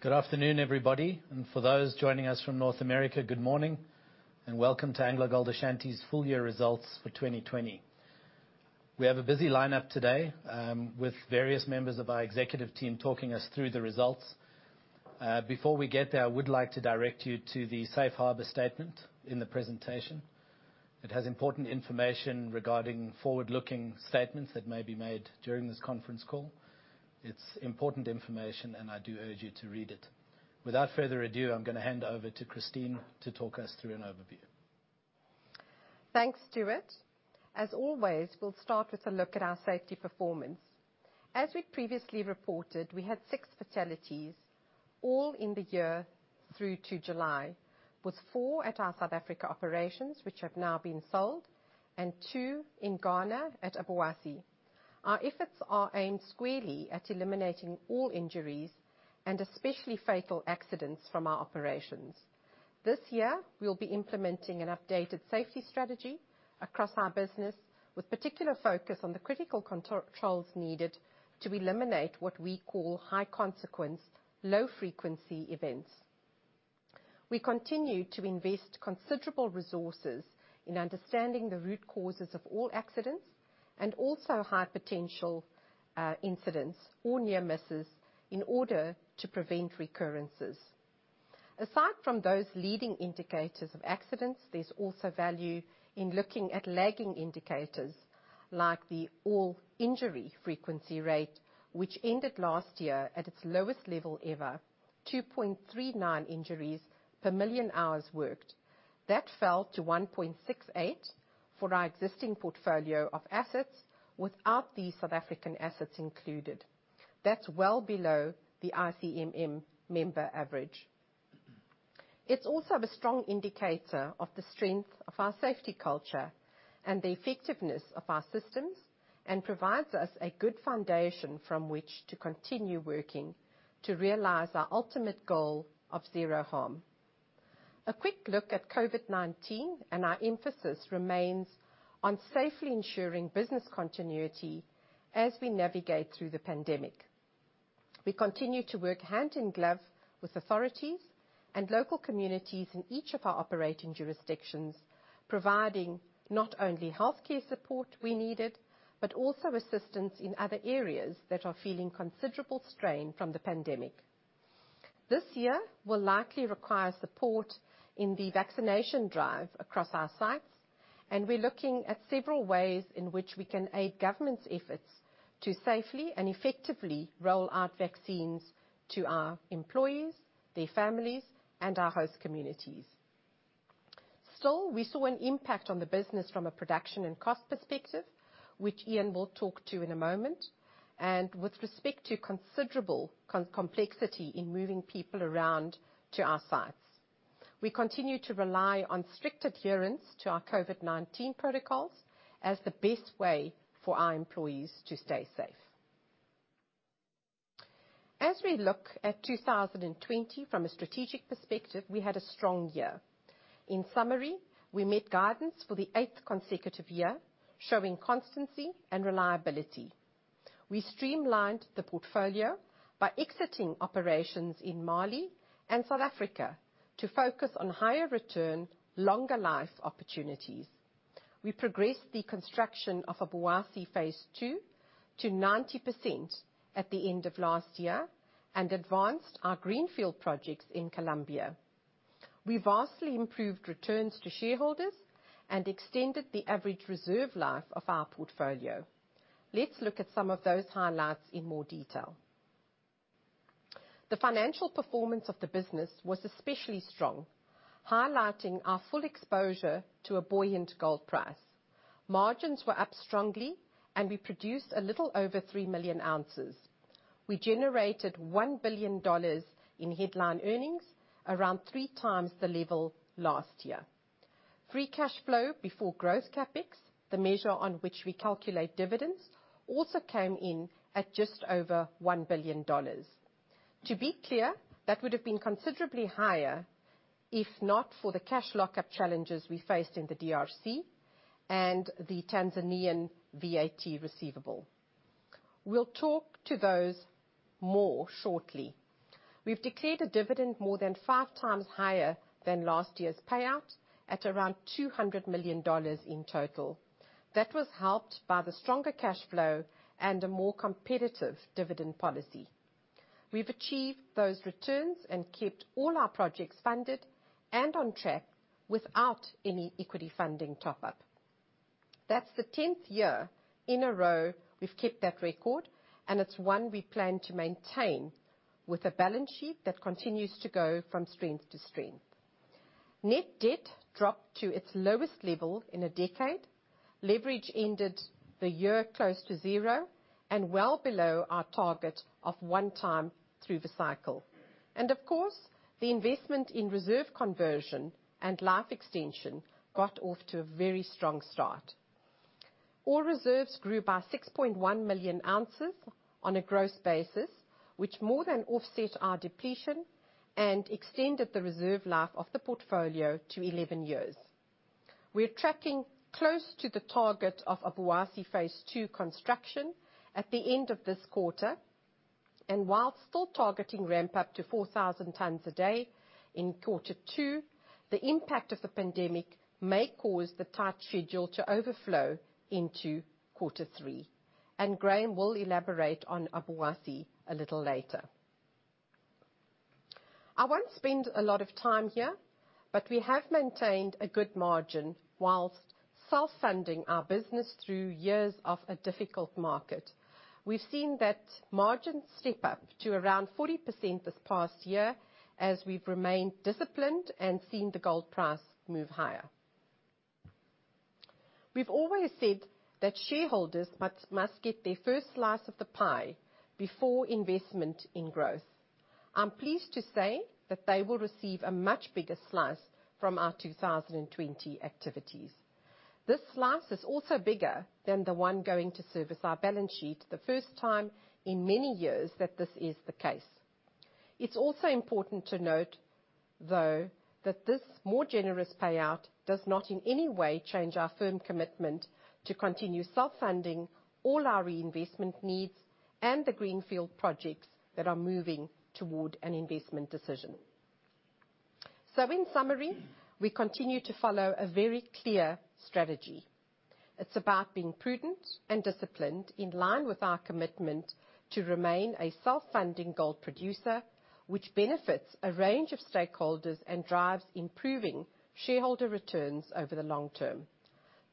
Good afternoon, everybody. For those joining us from North America, good morning, and welcome to AngloGold Ashanti's full year results for 2020. We have a busy lineup today, with various members of our executive team talking us through the results. Before we get there, I would like to direct you to the safe harbor statement in the presentation. It has important information regarding forward-looking statements that may be made during this conference call. It's important information, and I do urge you to read it. Without further ado, I'm going to hand over to Christine to talk us through an overview. Thanks, Stewart. As always, we'll start with a look at our safety performance. As we previously reported, we had six fatalities, all in the year through to July, with four at our South Africa operations, which have now been sold, and two in Ghana at Obuasi. Our efforts are aimed squarely at eliminating all injuries, and especially fatal accidents from our operations. This year, we'll be implementing an updated safety strategy across our business, with particular focus on the critical controls needed to eliminate what we call high consequence, low frequency events. We continue to invest considerable resources in understanding the root causes of all accidents and also high potential incidents or near misses in order to prevent recurrences. Aside from those leading indicators of accidents, there's also value in looking at lagging indicators like the all-injury frequency rate, which ended last year at its lowest level ever, 2.39 injuries per million hours worked. That fell to 1.68 for our existing portfolio of assets without the South African assets included. That's well below the ICMM member average. It's also a strong indicator of the strength of our safety culture and the effectiveness of our systems, and provides us a good foundation from which to continue working to realize our ultimate goal of zero harm. A quick look at COVID-19, our emphasis remains on safely ensuring business continuity as we navigate through the pandemic. We continue to work hand in glove with authorities and local communities in each of our operating jurisdictions, providing not only healthcare support where needed, but also assistance in other areas that are feeling considerable strain from the pandemic. This year will likely require support in the vaccination drive across our sites, and we're looking at several ways in which we can aid government's efforts to safely and effectively roll out vaccines to our employees, their families, and our host communities. Still, we saw an impact on the business from a production and cost perspective, which Ian will talk to in a moment, and with respect to considerable complexity in moving people around to our sites. We continue to rely on strict adherence to our COVID-19 protocols as the best way for our employees to stay safe. As we look at 2020 from a strategic perspective, we had a strong year. In summary, we made guidance for the 8th consecutive year, showing constancy and reliability. We streamlined the portfolio by exiting operations in Mali and South Africa to focus on higher return, longer life opportunities. We progressed the construction of Obuasi phase II to 90% at the end of last year and advanced our greenfield projects in Colombia. We vastly improved returns to shareholders and extended the average reserve life of our portfolio. Let's look at some of those highlights in more detail. The financial performance of the business was especially strong, highlighting our full exposure to a buoyant gold price. Margins were up strongly, and we produced a little over 3 million ounces. We generated $1 billion in headline earnings, around three times the level last year. Free cash flow before growth CapEx, the measure on which we calculate dividends, also came in at just over $1 billion. To be clear, that would have been considerably higher if not for the cash lockup challenges we faced in the DRC and the Tanzanian VAT receivable. We'll talk to those more shortly. We've declared a dividend more than 5x higher than last year's payout at around $200 million in total. That was helped by the stronger cash flow and a more competitive dividend policy. We've achieved those returns and kept all our projects funded and on track without any equity funding top-up. That's the 10th year in a row we've kept that record, and it's one we plan to maintain with a balance sheet that continues to go from strength to strength. Net debt dropped to its lowest level in a decade. Leverage ended the year close to zero and well below our target of one time through the cycle. The investment in reserve conversion and life extension got off to a very strong start. Ore reserves grew by 6.1 million ounces on a gross basis, which more than offset our depletion and extended the reserve life of the portfolio to 11 years. We're tracking close to the target of Obuasi phase II construction at the end of this quarter. While still targeting ramp-up to 4,000 tonnes a day in quarter two, the impact of the pandemic may cause the tight schedule to overflow into quarter three. Graham will elaborate on Obuasi a little later. I won't spend a lot of time here, we have maintained a good margin whilst self-funding our business through years of a difficult market. We've seen that margin step up to around 40% this past year, as we've remained disciplined and seen the gold price move higher. We've always said that shareholders must get their first slice of the pie before investment in growth. I'm pleased to say that they will receive a much bigger slice from our 2020 activities. This slice is also bigger than the one going to service our balance sheet, the first time in many years that this is the case. It's also important to note, though, that this more generous payout does not in any way change our firm commitment to continue self-funding all our reinvestment needs and the greenfield projects that are moving toward an investment decision. In summary, we continue to follow a very clear strategy. It's about being prudent and disciplined in line with our commitment to remain a self-funding gold producer, which benefits a range of stakeholders and drives improving shareholder returns over the long term.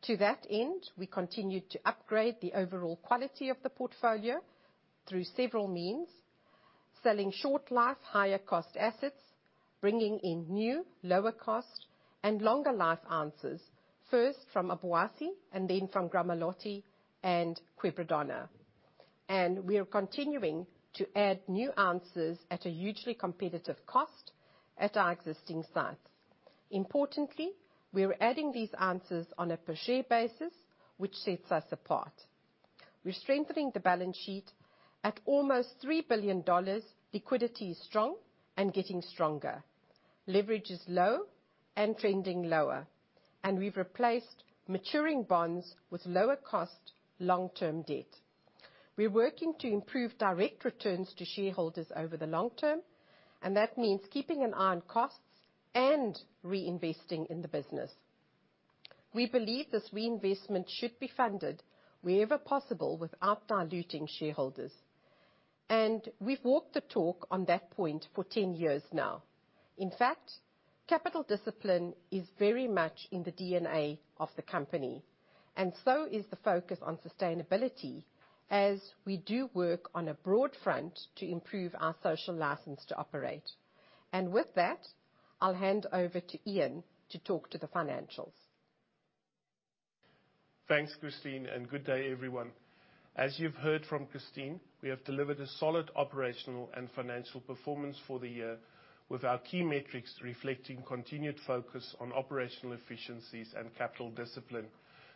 To that end, we continue to upgrade the overall quality of the portfolio through several means. Selling short life, higher cost assets, bringing in new, lower cost, and longer life ounces, first from Obuasi and then from Gramalote and Quebradona. We are continuing to add new ounces at a hugely competitive cost at our existing sites. Importantly, we are adding these ounces on a per share basis, which sets us apart. We're strengthening the balance sheet. At almost $3 billion, liquidity is strong and getting stronger. Leverage is low and trending lower. We've replaced maturing bonds with lower cost long-term debt. We're working to improve direct returns to shareholders over the long term, and that means keeping an eye on costs and reinvesting in the business. We believe this reinvestment should be funded wherever possible without diluting shareholders. We've walked the talk on that point for 10 years now. In fact, capital discipline is very much in the DNA of the company, and so is the focus on sustainability, as we do work on a broad front to improve our social license to operate. With that, I'll hand over to Ian to talk to the financials. Thanks, Christine. Good day, everyone. As you've heard from Christine, we have delivered a solid operational and financial performance for the year, with our key metrics reflecting continued focus on operational efficiencies and capital discipline.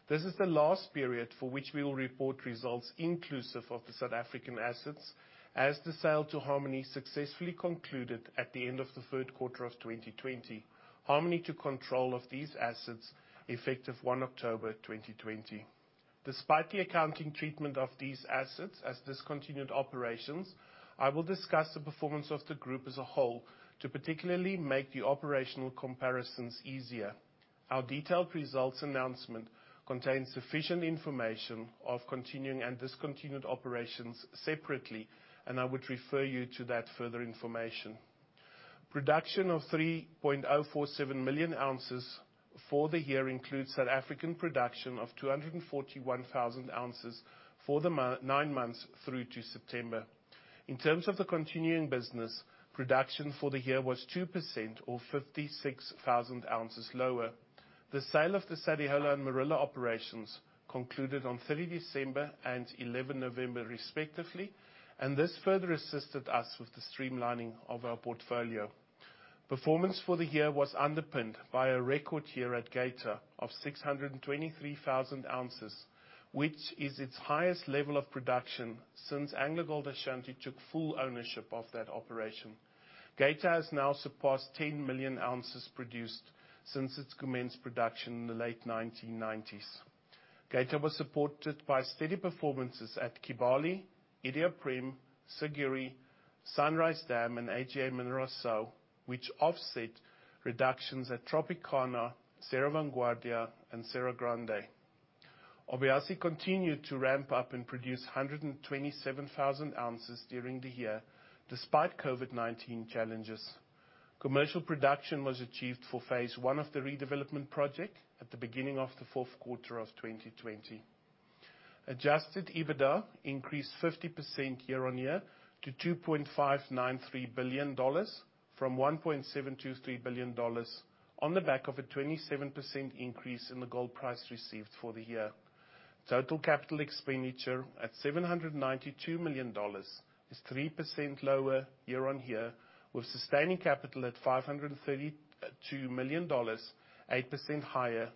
This is the last period for which we will report results inclusive of the South African assets, as the sale to Harmony successfully concluded at the end of the third quarter of 2020. Harmony took control of these assets effective 1 October 2020. Despite the accounting treatment of these assets as discontinued operations, I will discuss the performance of the group as a whole to particularly make the operational comparisons easier. Our detailed results announcement contains sufficient information of continuing and discontinued operations separately. I would refer you to that for further information. Production of 3.047 million ounces for the year includes South African production of 241,000 ounces for the nine months through to September. In terms of the continuing business, production for the year was 2% or 56,000 ounces lower. The sale of the Sadiola and Morila operations concluded on 3 December and 11 November respectively, this further assisted us with the streamlining of our portfolio. Performance for the year was underpinned by a record year at Geita of 623,000 ounces, which is its highest level of production since AngloGold Ashanti took full ownership of that operation. Geita has now surpassed 10 million ounces produced since it commenced production in the late 1990s. Geita was supported by steady performances at Kibali, Iduapriem, Siguiri, Sunrise Dam, and AGA Mineração, which offset reductions at Tropicana, Cerro Vanguardia, and Serra Grande. Obuasi continued to ramp up and produce 127,000 ounces during the year, despite COVID-19 challenges. Commercial production was achieved for phase I of the redevelopment project at the beginning of the fourth quarter of 2020. Adjusted EBITDA increased 50% year-on-year to $2.593 billion from $1.723 billion on the back of a 27% increase in the gold price received for the year. Total capital expenditure at $792 million is 3% lower year-on-year, with sustaining capital at $532 million, 8% higher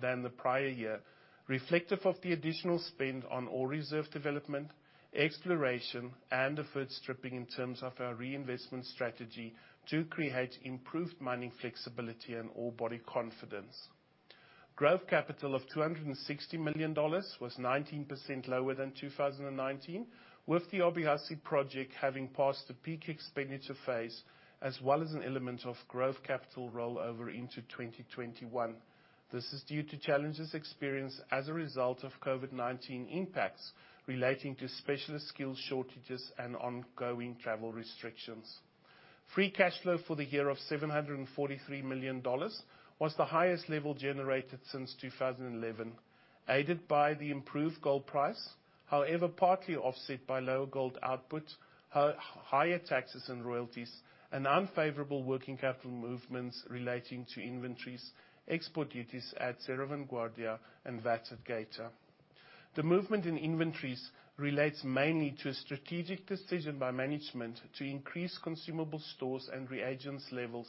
than the prior year, reflective of the additional spend on ore reserve development, exploration, and deferred stripping in terms of our reinvestment strategy to create improved mining flexibility and ore body confidence. Growth capital of $260 million was 19% lower than 2019, with the Obuasi Project having passed the peak expenditure phase, as well as an element of growth capital rollover into 2021. This is due to challenges experienced as a result of COVID-19 impacts relating to specialist skill shortages and ongoing travel restrictions. Free cash flow for the year of $743 million was the highest level generated since 2011, aided by the improved gold price, however, partly offset by lower gold output, higher taxes and royalties, and unfavorable working capital movements relating to inventories, export duties at Cerro Vanguardia and VAT at Geita. The movement in inventories relates mainly to a strategic decision by management to increase consumable stores and reagents levels,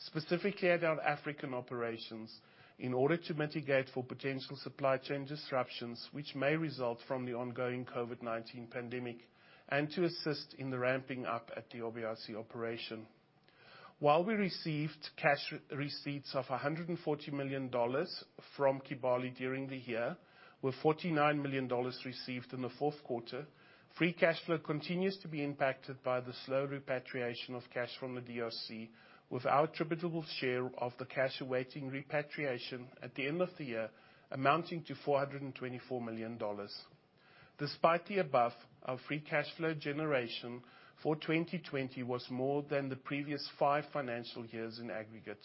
specifically at our African operations, in order to mitigate for potential supply chain disruptions which may result from the ongoing COVID-19 pandemic, and to assist in the ramping up at the Obuasi operation. While we received cash receipts of $140 million from Kibali during the year, with $49 million received in the fourth quarter, free cash flow continues to be impacted by the slow repatriation of cash from the DRC, with our attributable share of the cash awaiting repatriation at the end of the year amounting to $424 million. Despite the above, our free cash flow generation for 2020 was more than the previous five financial years in aggregate.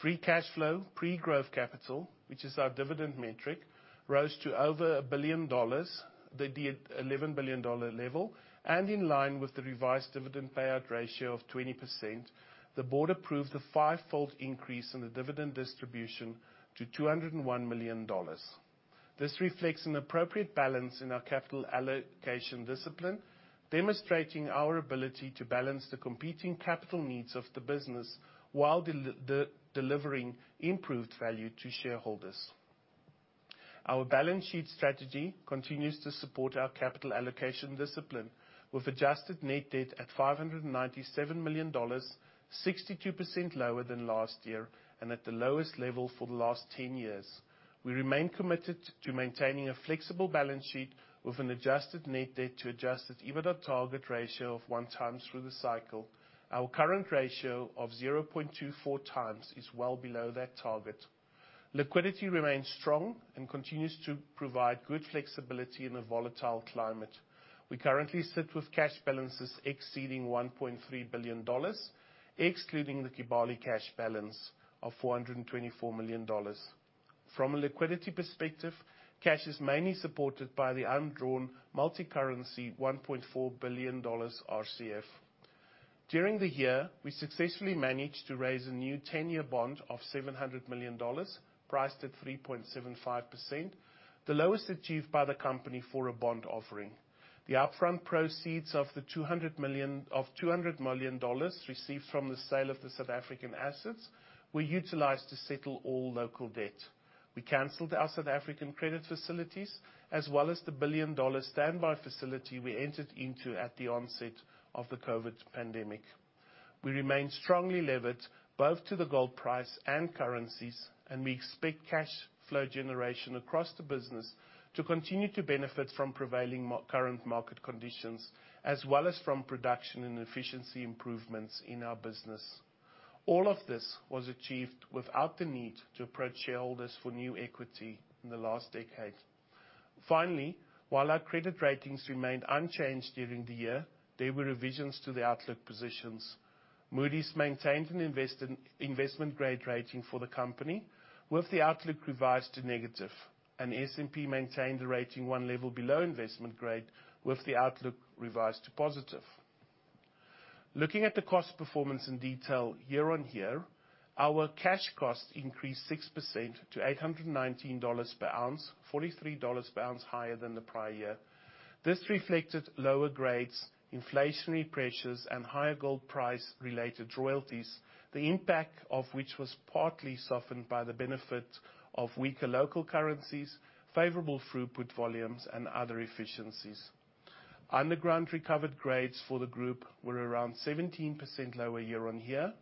Free cash flow pre growth capital, which is our dividend metric, rose to over a billion-dollars, the $11 billion level, and in line with the revised dividend payout ratio of 20%, the board approved a five-fold increase in the dividend distribution to $201 million. This reflects an appropriate balance in our capital allocation discipline, demonstrating our ability to balance the competing capital needs of the business while delivering improved value to shareholders. Our balance sheet strategy continues to support our capital allocation discipline with adjusted net debt at $597 million, 62% lower than last year, and at the lowest level for the last 10 years. We remain committed to maintaining a flexible balance sheet with an adjusted net debt to adjusted EBITDA target ratio of 1x through the cycle. Our current ratio of 0.24x is well below that target. Liquidity remains strong and continues to provide good flexibility in a volatile climate. We currently sit with cash balances exceeding $1.3 billion, excluding the Kibali cash balance of $424 million. From a liquidity perspective, cash is mainly supported by the undrawn multicurrency $1.4 billion RCF. During the year, we successfully managed to raise a new 10-year bond of $700 million, priced at 3.75%, the lowest achieved by the company for a bond offering. The upfront proceeds of $200 million received from the sale of the South African assets were utilized to settle all local debt. We canceled our South African credit facilities, as well as the billion-dollar standby facility we entered into at the onset of the COVID-19 pandemic. We remain strongly levered both to the gold price and currencies, and we expect cash flow generation across the business to continue to benefit from prevailing current market conditions, as well as from production and efficiency improvements in our business. All of this was achieved without the need to approach shareholders for new equity in the last decade. Finally, while our credit ratings remained unchanged during the year, there were revisions to the outlook positions. Moody's maintained an investment grade rating for the company, with the outlook revised to negative, and S&P maintained a rating one level below investment grade, with the outlook revised to positive. Looking at the cost performance in detail year-on-year, our cash costs increased 6% to $819 per ounce, $43 per ounce higher than the prior year. This reflected lower grades, inflationary pressures, and higher gold price related royalties, the impact of which was partly softened by the benefit of weaker local currencies, favorable throughput volumes, and other efficiencies. Underground recovered grades for the group were around 17% lower year-on-year.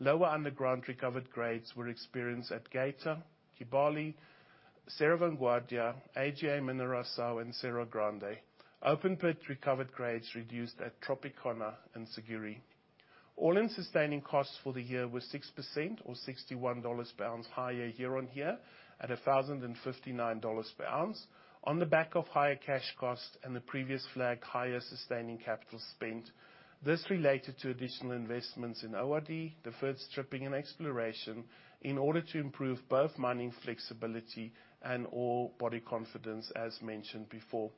Lower underground recovered grades were experienced at Geita, Kibali, Cerro Vanguardia, AGA Mineração, and Serra Grande. Open pit recovered grades reduced at Tropicana and Siguiri. All-in sustaining costs for the year were 6%, or $61 per ounce higher year-on-year at $1,059 per ounce. On the back of higher cash costs and the previous flagged higher sustaining capital spend, this related to additional investments in ORD, deferred stripping, and exploration in order to improve both mining flexibility and ore body confidence, as mentioned before.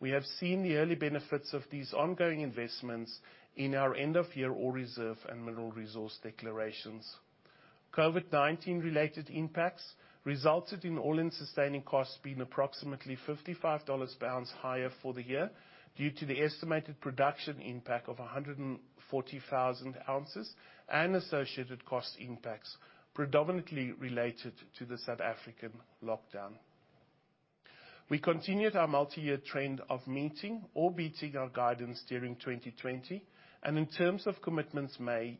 We have seen the early benefits of these ongoing investments in our end of year ore reserve and mineral resource declarations. COVID-19 related impacts resulted in all-in sustaining costs being approximately $55 per ounce higher for the year due to the estimated production impact of 140,000 ounces and associated cost impacts predominantly related to the South African lockdown. In terms of commitments made,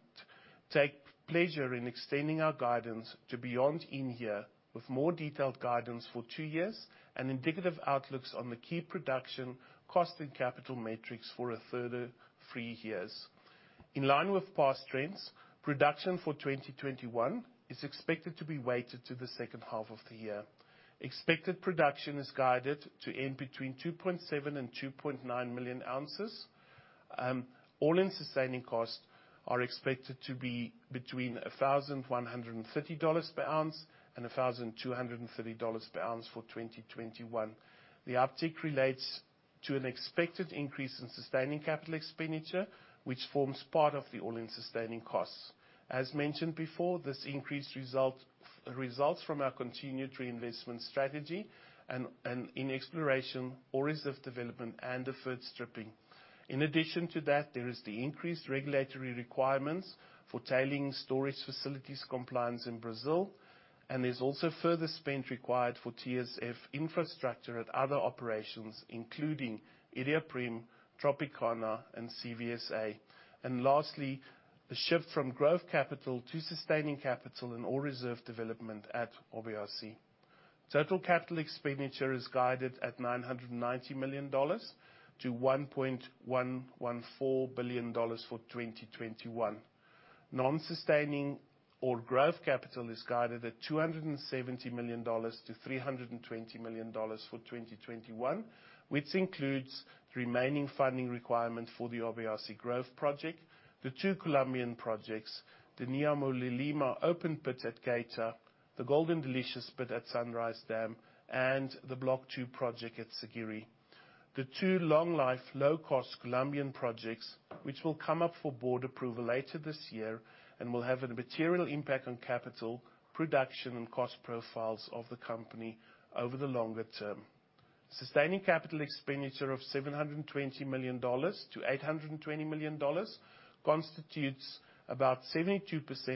take pleasure in extending our guidance to beyond in here, with more detailed guidance for two years and indicative outlooks on the key production cost and capital metrics for a further three years. In line with past trends, production for 2021 is expected to be weighted to the H2 of the year. Expected production is guided to end between 2.7 and 2.9 million ounces. All-in sustaining costs are expected to be between $1,130 per ounce and $1,230 per ounce for 2021. The uptick relates to an expected increase in sustaining capital expenditure, which forms part of the all-in sustaining costs. As mentioned before, this increase results from our continued reinvestment strategy and in exploration ore reserve development and deferred stripping. In addition to that, there is the increased regulatory requirements for tailing storage facilities compliance in Brazil, and there's also further spend required for TSF infrastructure at other operations, including Iduapriem, Tropicana, and CVSA. Lastly, the shift from growth capital to sustaining capital in ore reserve development at Obuasi. Total capital expenditure is guided at $990 million to $1.114 billion for 2021. Non-sustaining or growth capital is guided at $270 million-$320 million for 2021, which includes the remaining funding requirement for the Obuasi growth project, the two Colombian projects, the Nyamulilima open pit at Geita, the Golden Delicious pit at Sunrise Dam, and the Block 2 project at Siguiri. The two long-life, low-cost Colombian projects, which will come up for board approval later this year and will have a material impact on capital, production, and cost profiles of the company over the longer term. Sustaining capital expenditure of $720 million-$820 million constitutes about 72%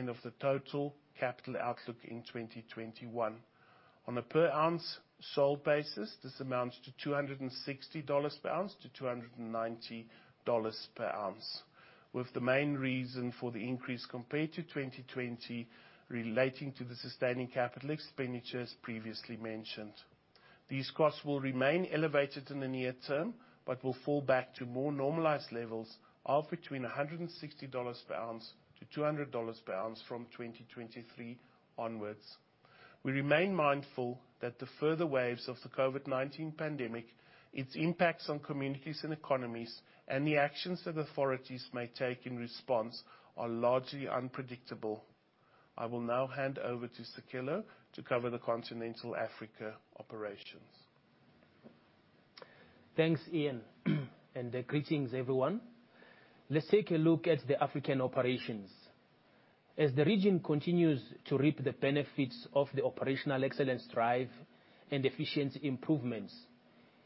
of the total capital outlook in 2021. On a per-ounce sold basis, this amounts to $260 per ounce-$290 per ounce, with the main reason for the increase compared to 2020 relating to the sustaining capital expenditure as previously mentioned. These costs will remain elevated in the near term but will fall back to more normalized levels of between $160 per ounce-$200 per ounce from 2023 onwards. We remain mindful that the further waves of the COVID-19 pandemic, its impacts on communities and economies, and the actions that authorities may take in response are largely unpredictable. I will now hand over to Sicelo to cover the continental Africa operations. Thanks, Ian. Greetings everyone. Let's take a look at the African operations. As the region continues to reap the benefits of the operational excellence drive and efficiency improvements,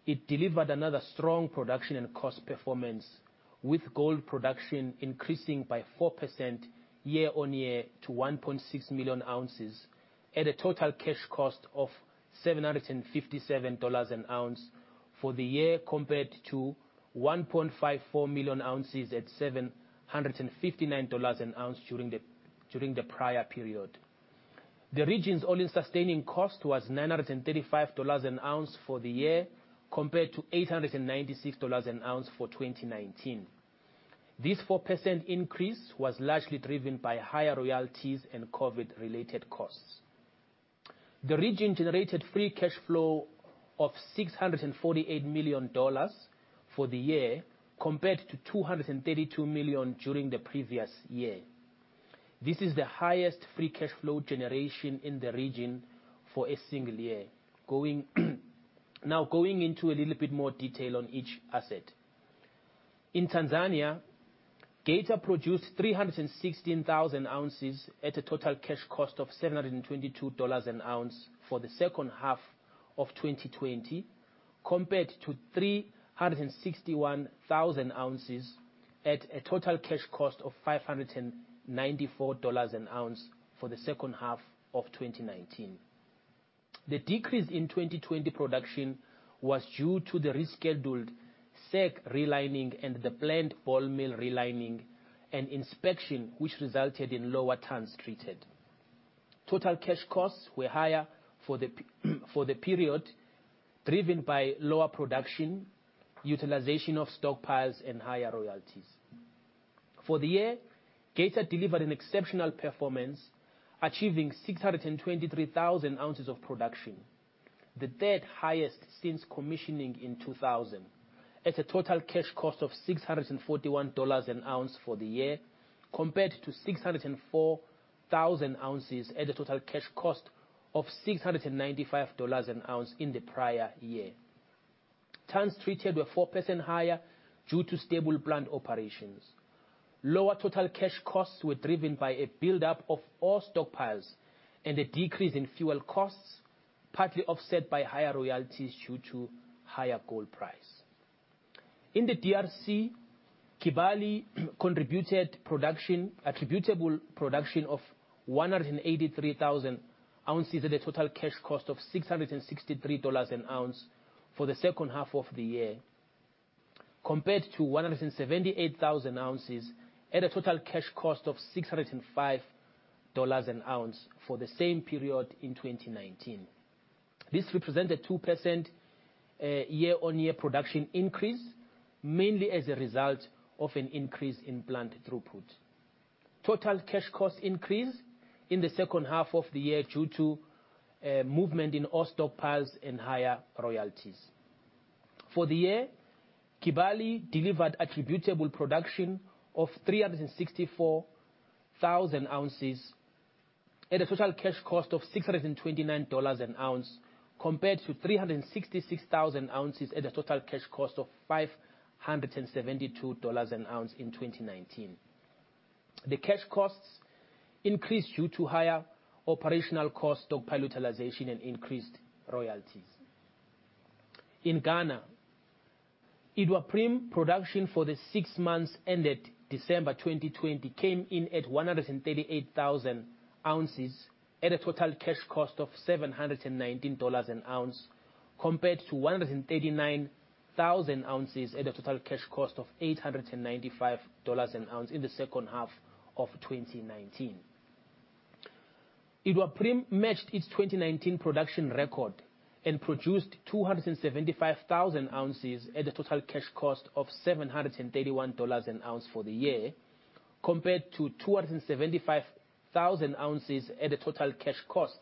it delivered another strong production and cost performance, with gold production increasing by 4% year-on-year to 1.6 million ounces at a total cash cost of $757 an ounce for the year, compared to 1.54 million ounces at $759 an ounce during the prior period. The region's all-in sustaining cost was $935 an ounce for the year, compared to $896 an ounce for 2019. This 4% increase was largely driven by higher royalties and COVID-19-related costs. The region generated free cash flow of $648 million for the year, compared to $232 million during the previous year. This is the highest free cash flow generation in the region for a single year. Now, going into a little bit more detail on each asset. In Tanzania, Geita produced 316,000 ounces at a total cash cost of $722 an ounce for the H2 of 2020, compared to 361,000 ounces at a total cash cost of $594 an ounce for the H2 of 2019. The decrease in 2020 production was due to the rescheduled SAG relining and the planned ball mill relining and inspection, which resulted in lower tons treated. Total cash costs were higher for the period, driven by lower production, utilization of stockpiles, and higher royalties. For the year, Geita delivered an exceptional performance, achieving 623,000 ounces of production, the third highest since commissioning in 2000, at a total cash cost of $641 an ounce for the year, compared to 604,000 ounces at a total cash cost of $695 an ounce in the prior year. Tons treated were 4% higher due to stable plant operations. Lower total cash costs were driven by a buildup of ore stockpiles and a decrease in fuel costs, partly offset by higher royalties due to higher gold price. In the DRC, Kibali contributed attributable production of 183,000 ounces at a total cash cost of $663 an ounce for the H2 of the year, compared to 178,000 ounces at a total cash cost of $605 an ounce for the same period in 2019. This represented 2% year-on-year production increase, mainly as a result of an increase in plant throughput. Total cash costs increased in the H2 of the year due to movement in ore stockpiles and higher royalties. For the year, Kibali delivered attributable production of 364,000 ounces at a total cash cost of $629 an ounce, compared to 366,000 ounces at a total cash cost of $572 an ounce in 2019. The cash costs increased due to higher operational cost of pile utilization and increased royalties. In Ghana, Iduapriem production for the six months ended December 2020 came in at 138,000 ounces at a total cash cost of $719 an ounce, compared to 139,000 ounces at a total cash cost of $895 an ounce in the H2 of 2019. Iduapriem matched its 2019 production record and produced 275,000 ounces at a total cash cost of $731 an ounce for the year, compared to 275,000 ounces at a total cash cost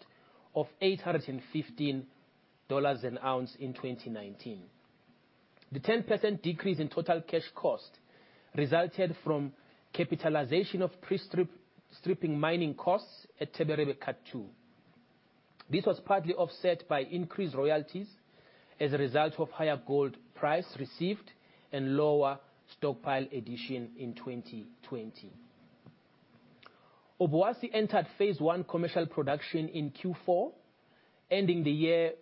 of $815 an ounce in 2019. The 10% decrease in total cash cost resulted from capitalization of pre-stripping mining costs at Teberebie Cut 2. This was partly offset by increased royalties as a result of higher gold price received and lower stockpile addition in 2020. Obuasi entered phase I commercial production in Q4, ending the year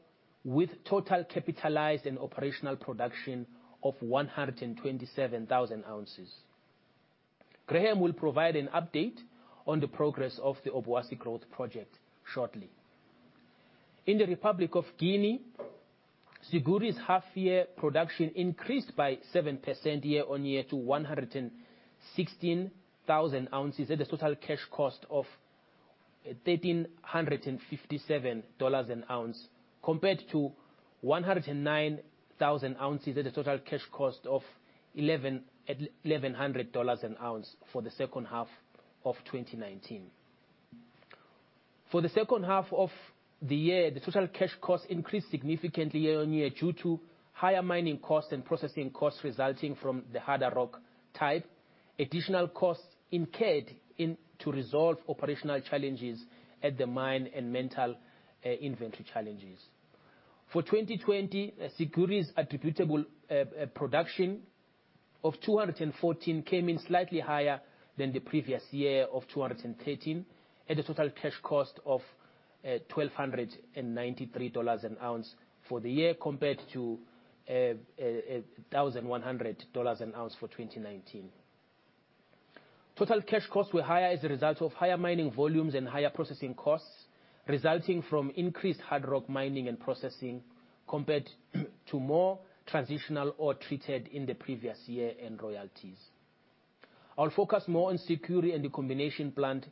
with total capitalized and operational production of 127,000 ounces. Graham will provide an update on the progress of the Obuasi growth project shortly. In the Republic of Guinea, Siguiri's half-year production increased by 7% year-on-year to 116,000 ounces at a total cash cost of $1,357 an ounce, compared to 109,000 ounces at a total cash cost of $1,100 an ounce for the H2 of 2019. For the H2 of the year, the total cash cost increased significantly year-on-year due to higher mining costs and processing costs resulting from the harder rock type, additional costs incurred to resolve operational challenges at the mine and metal inventory challenges. For 2020, Siguiri's attributable production of 214 came in slightly higher than the previous year of 213, at a total cash cost of $1,293 an ounce for the year compared to $1,100 an ounce for 2019. Total cash costs were higher as a result of higher mining volumes and higher processing costs resulting from increased hard rock mining and processing, compared to more transitional ore treated in the previous year and royalties. I'll focus more on Siguiri and the combination plant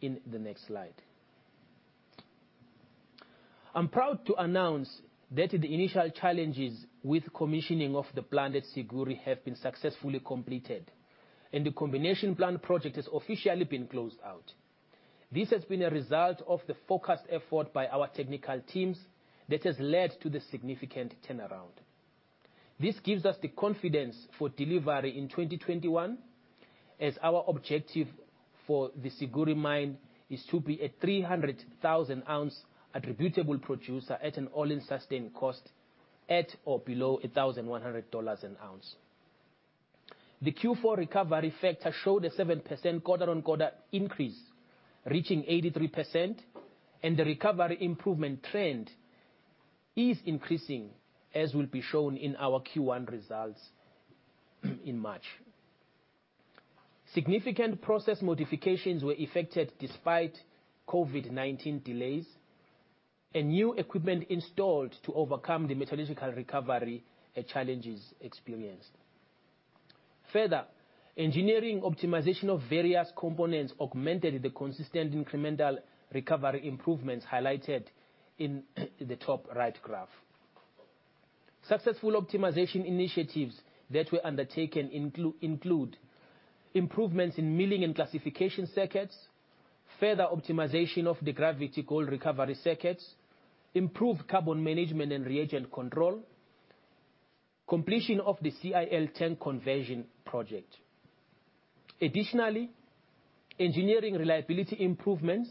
in the next slide. I'm proud to announce that the initial challenges with commissioning of the plant at Siguiri have been successfully completed, and the combination plant project has officially been closed out. This has been a result of the focused effort by our technical teams that has led to the significant turnaround. This gives us the confidence for delivery in 2021, as our objective for the Siguiri mine is to be a 300,000-ounce attributable producer at an all-in sustained cost at or below $1,100 an ounce. The Q4 recovery factor showed a 7% quarter-on-quarter increase, reaching 83%, and the recovery improvement trend is increasing, as will be shown in our Q1 results in March. Significant process modifications were effected despite COVID-19 delays and new equipment installed to overcome the metallurgical recovery challenges experienced. Further, engineering optimization of various components augmented the consistent incremental recovery improvements highlighted in the top right graph. Successful optimization initiatives that were undertaken include improvements in milling and classification circuits, further optimization of the gravity gold recovery circuits, improved carbon management and reagent control, completion of the CIL tank conversion project. Additionally, engineering reliability improvements,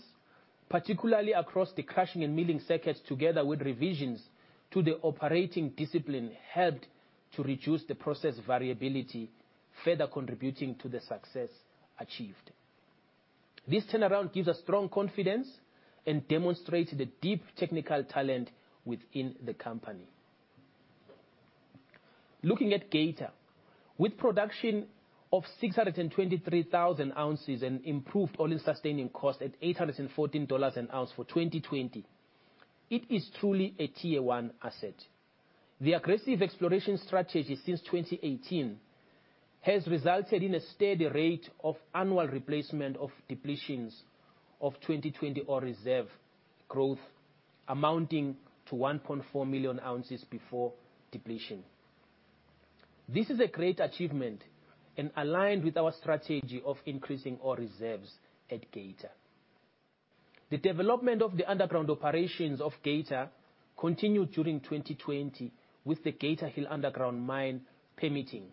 particularly across the crushing and milling circuits together with revisions to the operating discipline, helped to reduce the process variability, further contributing to the success achieved. This turnaround gives us strong confidence and demonstrates the deep technical talent within the company. Looking at Geita, with production of 623,000 ounces and improved all-in sustaining cost at $814 an ounce for 2020, it is truly a Tier 1 asset. The aggressive exploration strategy since 2018 has resulted in a steady rate of annual replacement of depletions of 2020 ore reserve growth amounting to 1.4 million ounces before depletion. This is a great achievement and aligned with our strategy of increasing ore reserves at Geita. The development of the underground operations of Geita continued during 2020, with the Geita Hill underground mine permitting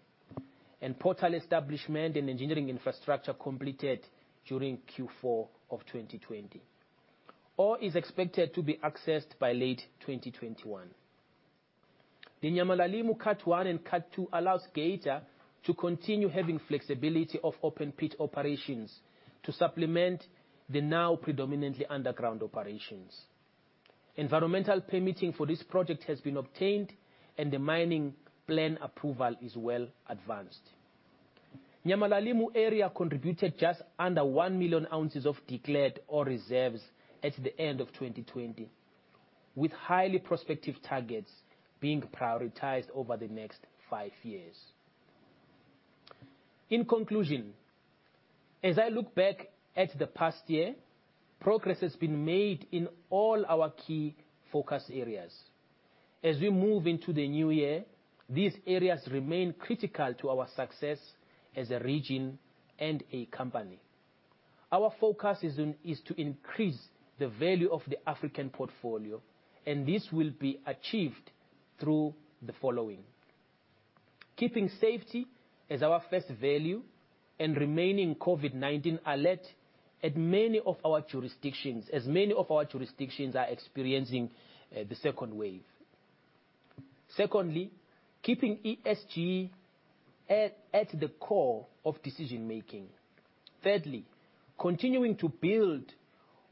and portal establishment and engineering infrastructure completed during Q4 of 2020. Ore is expected to be accessed by late 2021. The Nyamulilima Cut-1 and Cut-2 allows AngloGold Ashanti to continue having flexibility of open pit operations to supplement the now predominantly underground operations. Environmental permitting for this project has been obtained, and the mining plan approval is well advanced. Nyamulilima area contributed just under 1 million ounces of declared ore reserves at the end of 2020, with highly prospective targets being prioritized over the next five years. In conclusion, as I look back at the past year, progress has been made in all our key focus areas. As we move into the new year, these areas remain critical to our success as a region and a company. Our focus is to increase the value of the African portfolio, and this will be achieved through the following. Keeping safety as our first value and remaining COVID-19 alert as many of our jurisdictions are experiencing the second wave. Secondly, keeping ESG at the core of decision-making. Thirdly, continuing to build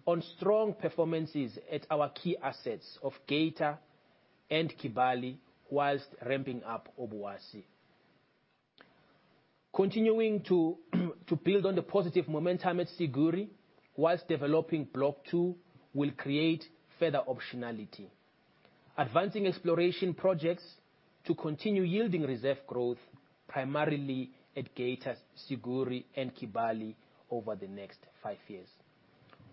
on strong performances at our key assets of Geita and Kibali whilst ramping up Obuasi. Continuing to build on the positive momentum at Siguiri whilst developing Block 2 will create further optionality. Advancing exploration projects to continue yielding reserve growth primarily at Geita, Siguiri, and Kibali over the next five years.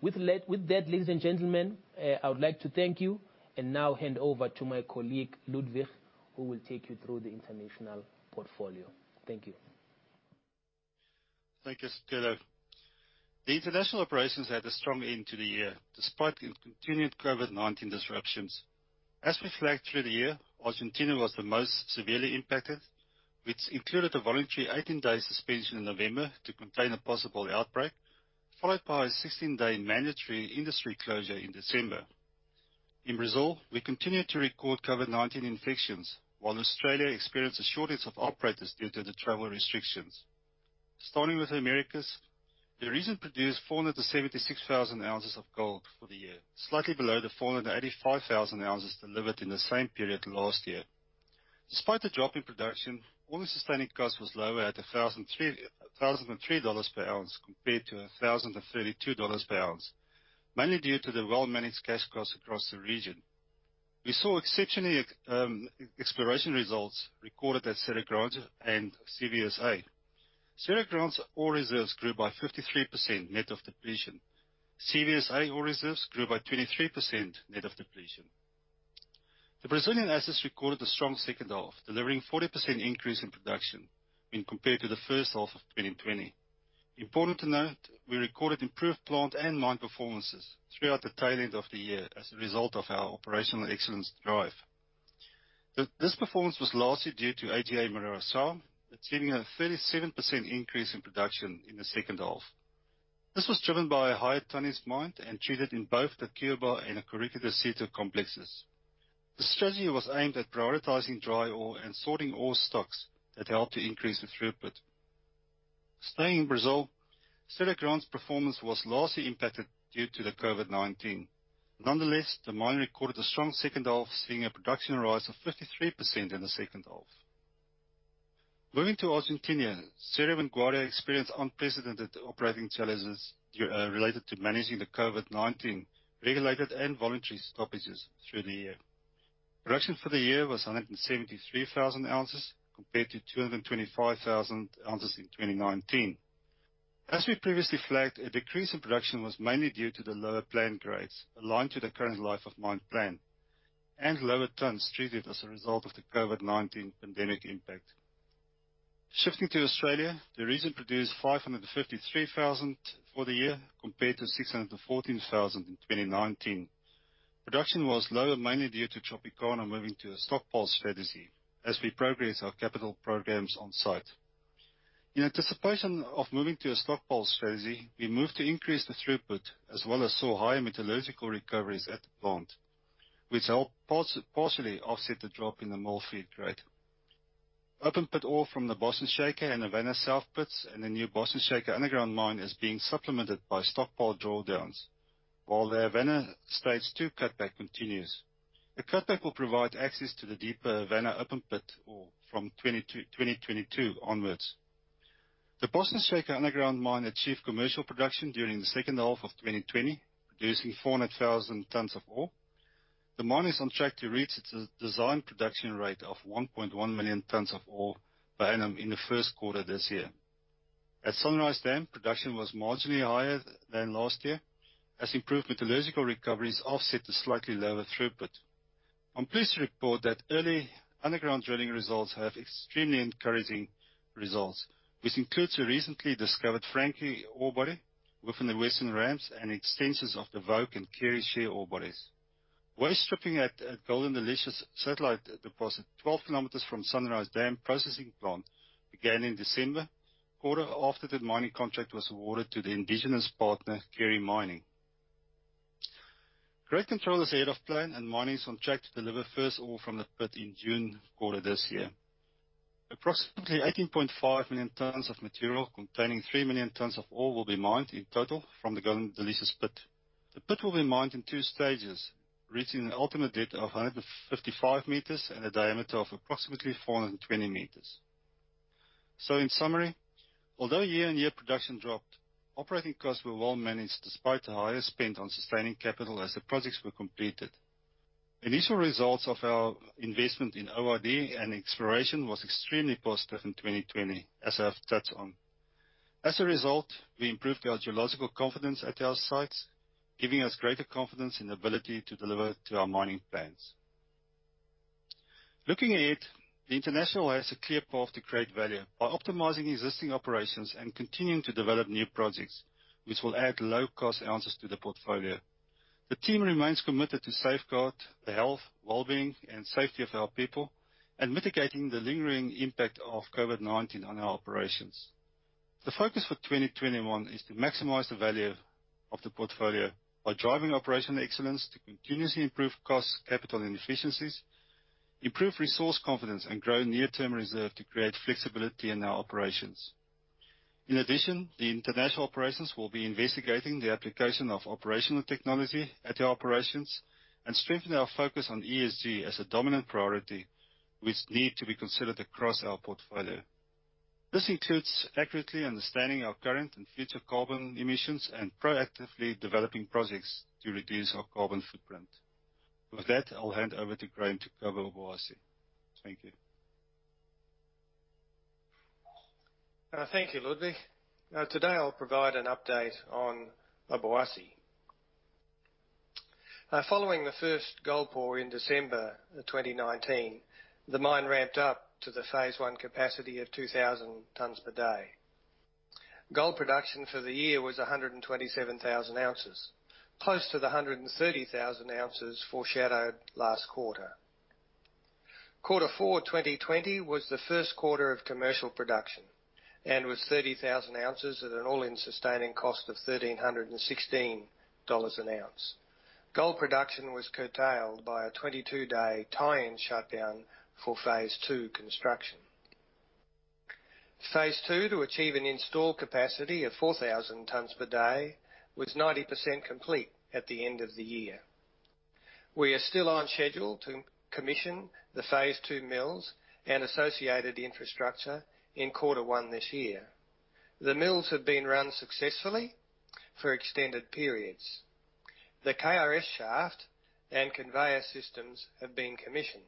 With that, ladies and gentlemen, I would like to thank you and now hand over to my colleague, Ludwig, who will take you through the international portfolio. Thank you. Thank you, Sicelo. The international operations had a strong end to the year, despite the continued COVID-19 disruptions. As we flagged through the year, Argentina was the most severely impacted, which included a voluntary 18-day suspension in November to contain a possible outbreak, followed by a 16-day mandatory industry closure in December. In Brazil, we continued to record COVID-19 infections, while Australia experienced a shortage of operators due to the travel restrictions. Starting with Americas, the region produced 476,000 ounces of gold for the year, slightly below the 485,000 ounces delivered in the same period last year. Despite the drop in production, all-in sustaining cost was lower at $1,003 per ounce compared to $1,032 per ounce, mainly due to the well-managed cash costs across the region. We saw exceptionally, exploration results recorded at Serra Grande and CVSA. Serra Grande's ore reserves grew by 53% net of depletion. CVSA ore reserves grew by 23% net of depletion. The Brazilian assets recorded a strong second half, delivering 40% increase in production when compared to the H1 of 2020. Important to note, we recorded improved plant and mine performances throughout the tail end of the year as a result of our operational excellence drive. This performance was largely due to AGA Mineração, achieving a 37% increase in production in the second half. This was driven by a higher tonnes mined and treated in both the Cuiabá and the Córrego do Sítio complexes. The strategy was aimed at prioritizing dry ore and sorting ore stocks that helped to increase the throughput. Staying in Brazil, Serra Grande's performance was largely impacted due to the COVID-19. Nonetheless, the mine recorded a strong second half, seeing a production rise of 53% in the second half. Moving to Argentina, Cerro Vanguardia experienced unprecedented operating challenges related to managing the COVID-19 regulated and voluntary stoppages through the year. Production for the year was 173,000 ounces compared to 225,000 ounces in 2019. As we previously flagged, a decrease in production was mainly due to the lower plant grades aligned to the current life of mine plan and lower tons treated as a result of the COVID-19 pandemic impact. Shifting to Australia, the region produced 553,000 for the year compared to 614,000 in 2019. Production was lower, mainly due to Tropicana moving to a stockpile strategy as we progress our capital programs on-site. In anticipation of moving to a stockpile strategy, we moved to increase the throughput as well as saw higher metallurgical recoveries at the plant, which helped partially offset the drop in the mill feed grade. Open pit ore from the Bosumtwi and the Havana South pits and the new Bosumtwi Underground Mine is being supplemented by stockpile drawdowns, while the Havana Stage 2 Cutback continues. The cutback will provide access to the deeper Havana open pit ore from 2022 onwards. The Bosumtwi Underground Mine achieved commercial production during the H2 of 2020, producing 400,000 tons of ore. The mine is on track to reach its design production rate of 1.1 million tons of ore per annum in the first quarter this year. At Sunrise Dam, production was marginally higher than last year, as improved metallurgical recoveries offset the slightly lower throughput. I'm pleased to report that early underground drilling results have extremely encouraging results, which includes a recently discovered Frankie ore body within the western ramps and extensions of the Vogue and Carey Shear ore bodies. Waste stripping at Golden Delicious satellite deposit, 12 km from Sunrise Dam processing plant, began in December quarter after the mining contract was awarded to the indigenous partner, Carey Mining. Mining is on track to deliver first ore from the pit in June quarter this year. Approximately 18.5 million tons of material containing 3 million tons of ore will be mined in total from the Golden Delicious pit. The pit will be mined in two stages, reaching an ultimate depth of 155 meters and a diameter of approximately 420 meters. In summary, although year-on-year production dropped, operating costs were well managed despite the higher spend on sustaining capital as the projects were completed. Initial results of our investment in ORD and exploration was extremely positive in 2020, as I've touched on. As a result, we improved our geological confidence at our sites, giving us greater confidence in ability to deliver to our mining plans. Looking ahead, the international has a clear path to create value by optimizing existing operations and continuing to develop new projects, which will add low cost ounces to the portfolio. The team remains committed to safeguard the health, well-being, and safety of our people, and mitigating the lingering impact of COVID-19 on our operations. The focus for 2021 is to maximize the value of the portfolio by driving operational excellence to continuously improve costs, capital, and efficiencies, improve resource confidence, and grow near-term reserve to create flexibility in our operations. In addition, the international operations will be investigating the application of operational technology at the operations and strengthen our focus on ESG as a dominant priority, which need to be considered across our portfolio. This includes accurately understanding our current and future carbon emissions and proactively developing projects to reduce our carbon footprint. With that, I'll hand over to Graham to cover Obuasi. Thank you. Thank you, Ludwig. Today, I'll provide an update on Obuasi. Following the first gold pour in December 2019, the mine ramped up to the phase I capacity of 2,000 tons per day. Gold production for the year was 127,000 ounces, close to the 130,000 ounces foreshadowed last quarter. Quarter four 2020 was the first quarter of commercial production, and with 30,000 ounces at an all-in sustaining cost of $1,316 an ounce. Gold production was curtailed by a 22-day tie-in shutdown for phase II construction. Phase II, to achieve an in-store capacity of 4,000 tons per day, was 90% complete at the end of the year. We are still on schedule to commission the phase II mills and associated infrastructure in quarter one this year. The mills have been run successfully for extended periods. The KRS shaft and conveyor systems have been commissioned.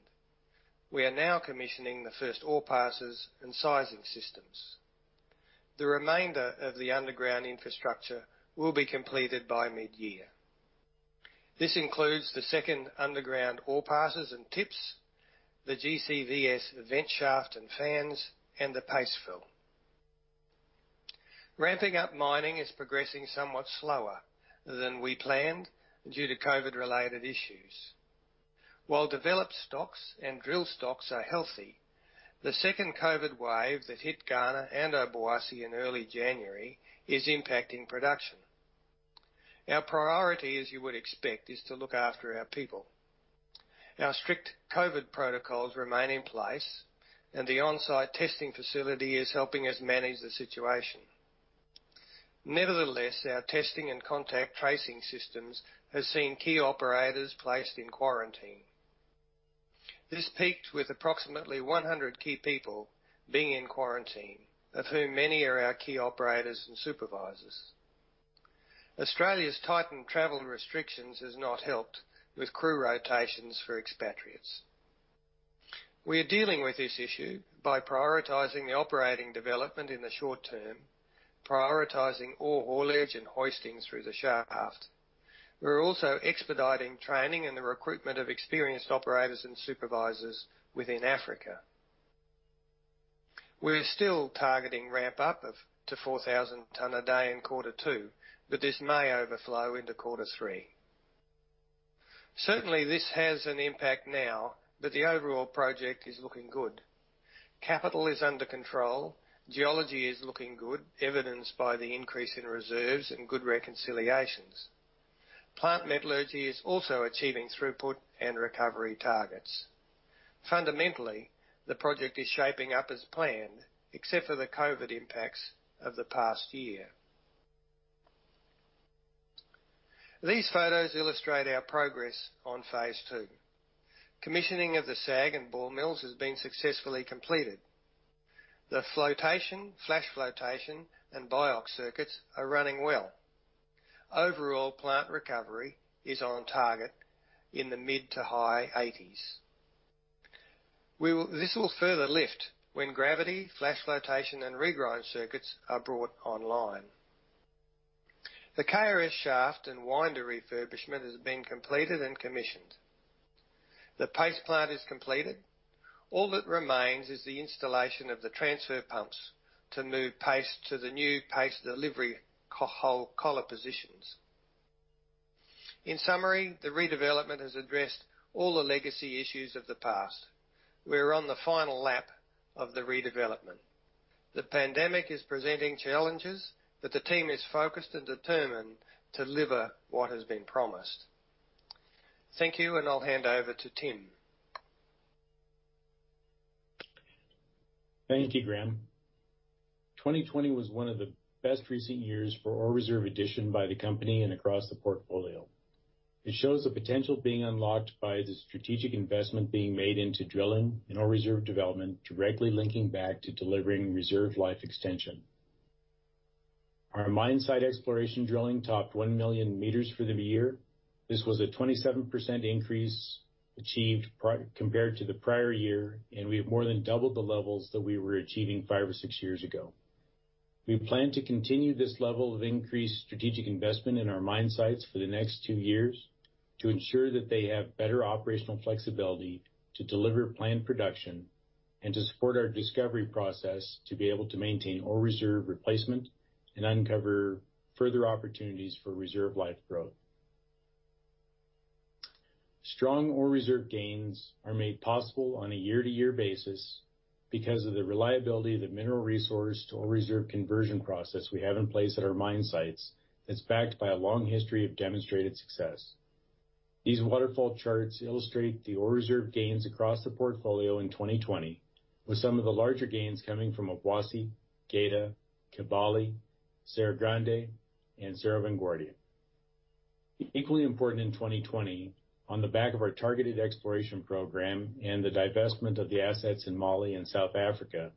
We are now commissioning the first ore passes and sizing systems. The remainder of the underground infrastructure will be completed by mid-year. This includes the second underground ore passes and tips, the GCVS vent shaft and fans, and the paste fill. Ramping up mining is progressing somewhat slower than we planned due to COVID-related issues. While developed stocks and drill stocks are healthy, the second COVID wave that hit Ghana and Obuasi in early January is impacting production. Our priority, as you would expect, is to look after our people. Our strict COVID protocols remain in place, and the on-site testing facility is helping us manage the situation. Nevertheless, our testing and contact tracing systems have seen key operators placed in quarantine. This peaked with approximately 100 key people being in quarantine, of whom many are our key operators and supervisors. Australia's tightened travel restrictions has not helped with crew rotations for expatriates. We are dealing with this issue by prioritizing the operating development in the short term, prioritizing ore haulage and hoisting through the shaft. We're also expediting training and the recruitment of experienced operators and supervisors within Africa. We're still targeting ramp-up to 4,000 tons a day in quarter two, but this may overflow into quarter three. Certainly, this has an impact now, but the overall project is looking good. Capital is under control. Geology is looking good, evidenced by the increase in reserves and good reconciliations. Plant metallurgy is also achieving throughput and recovery targets. Fundamentally, the project is shaping up as planned, except for the COVID impacts of the past year. These photos illustrate our progress on phase II. Commissioning of the SAG and ball mills has been successfully completed. The flotation, flash flotation, and BIOX circuits are running well. Overall plant recovery is on target in the mid to high 80s. This will further lift when gravity, flash flotation, and regrind circuits are brought online. The KRS shaft and winder refurbishment has been completed and commissioned. The paste plant is completed. All that remains is the installation of the transfer pumps to move paste to the new paste delivery collar positions. In summary, the redevelopment has addressed all the legacy issues of the past. We're on the final lap of the redevelopment. The pandemic is presenting challenges, but the team is focused and determined to deliver what has been promised. Thank you, and I'll hand over to Tim. Thank you, Graham. 2020 was one of the best recent years for ore reserve addition by the company and across the portfolio. It shows the potential being unlocked by the strategic investment being made into drilling and ore reserve development, directly linking back to delivering reserve life extension. Our mine site exploration drilling topped 1 million meters for the year. This was a 27% increase achieved compared to the prior year, and we have more than doubled the levels that we were achieving five or six years ago. We plan to continue this level of increased strategic investment in our mine sites for the next two years to ensure that they have better operational flexibility to deliver planned production and to support our discovery process to be able to maintain ore reserve replacement and uncover further opportunities for reserve life growth. Strong ore reserve gains are made possible on a year-to-year basis because of the reliability of the mineral resource to ore reserve conversion process we have in place at our mine sites that is backed by a long history of demonstrated success. These waterfall charts illustrate the ore reserve gains across the portfolio in 2020, with some of the larger gains coming from Obuasi, Geita, Kibali, Serra Grande, and Cerro Vanguardia. Equally important in 2020, on the back of our targeted exploration program and the divestment of the assets in Mali and South Africa,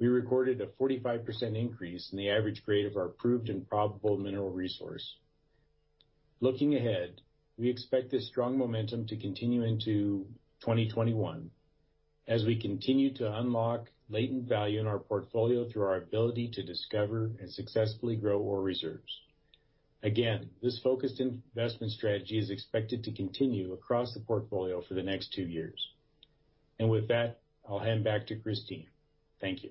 we recorded a 45% increase in the average grade of our proved and probable mineral resource. Looking ahead, we expect this strong momentum to continue into 2021 as we continue to unlock latent value in our portfolio through our ability to discover and successfully grow ore reserves. This focused investment strategy is expected to continue across the portfolio for the next two years. With that, I'll hand back to Christine. Thank you.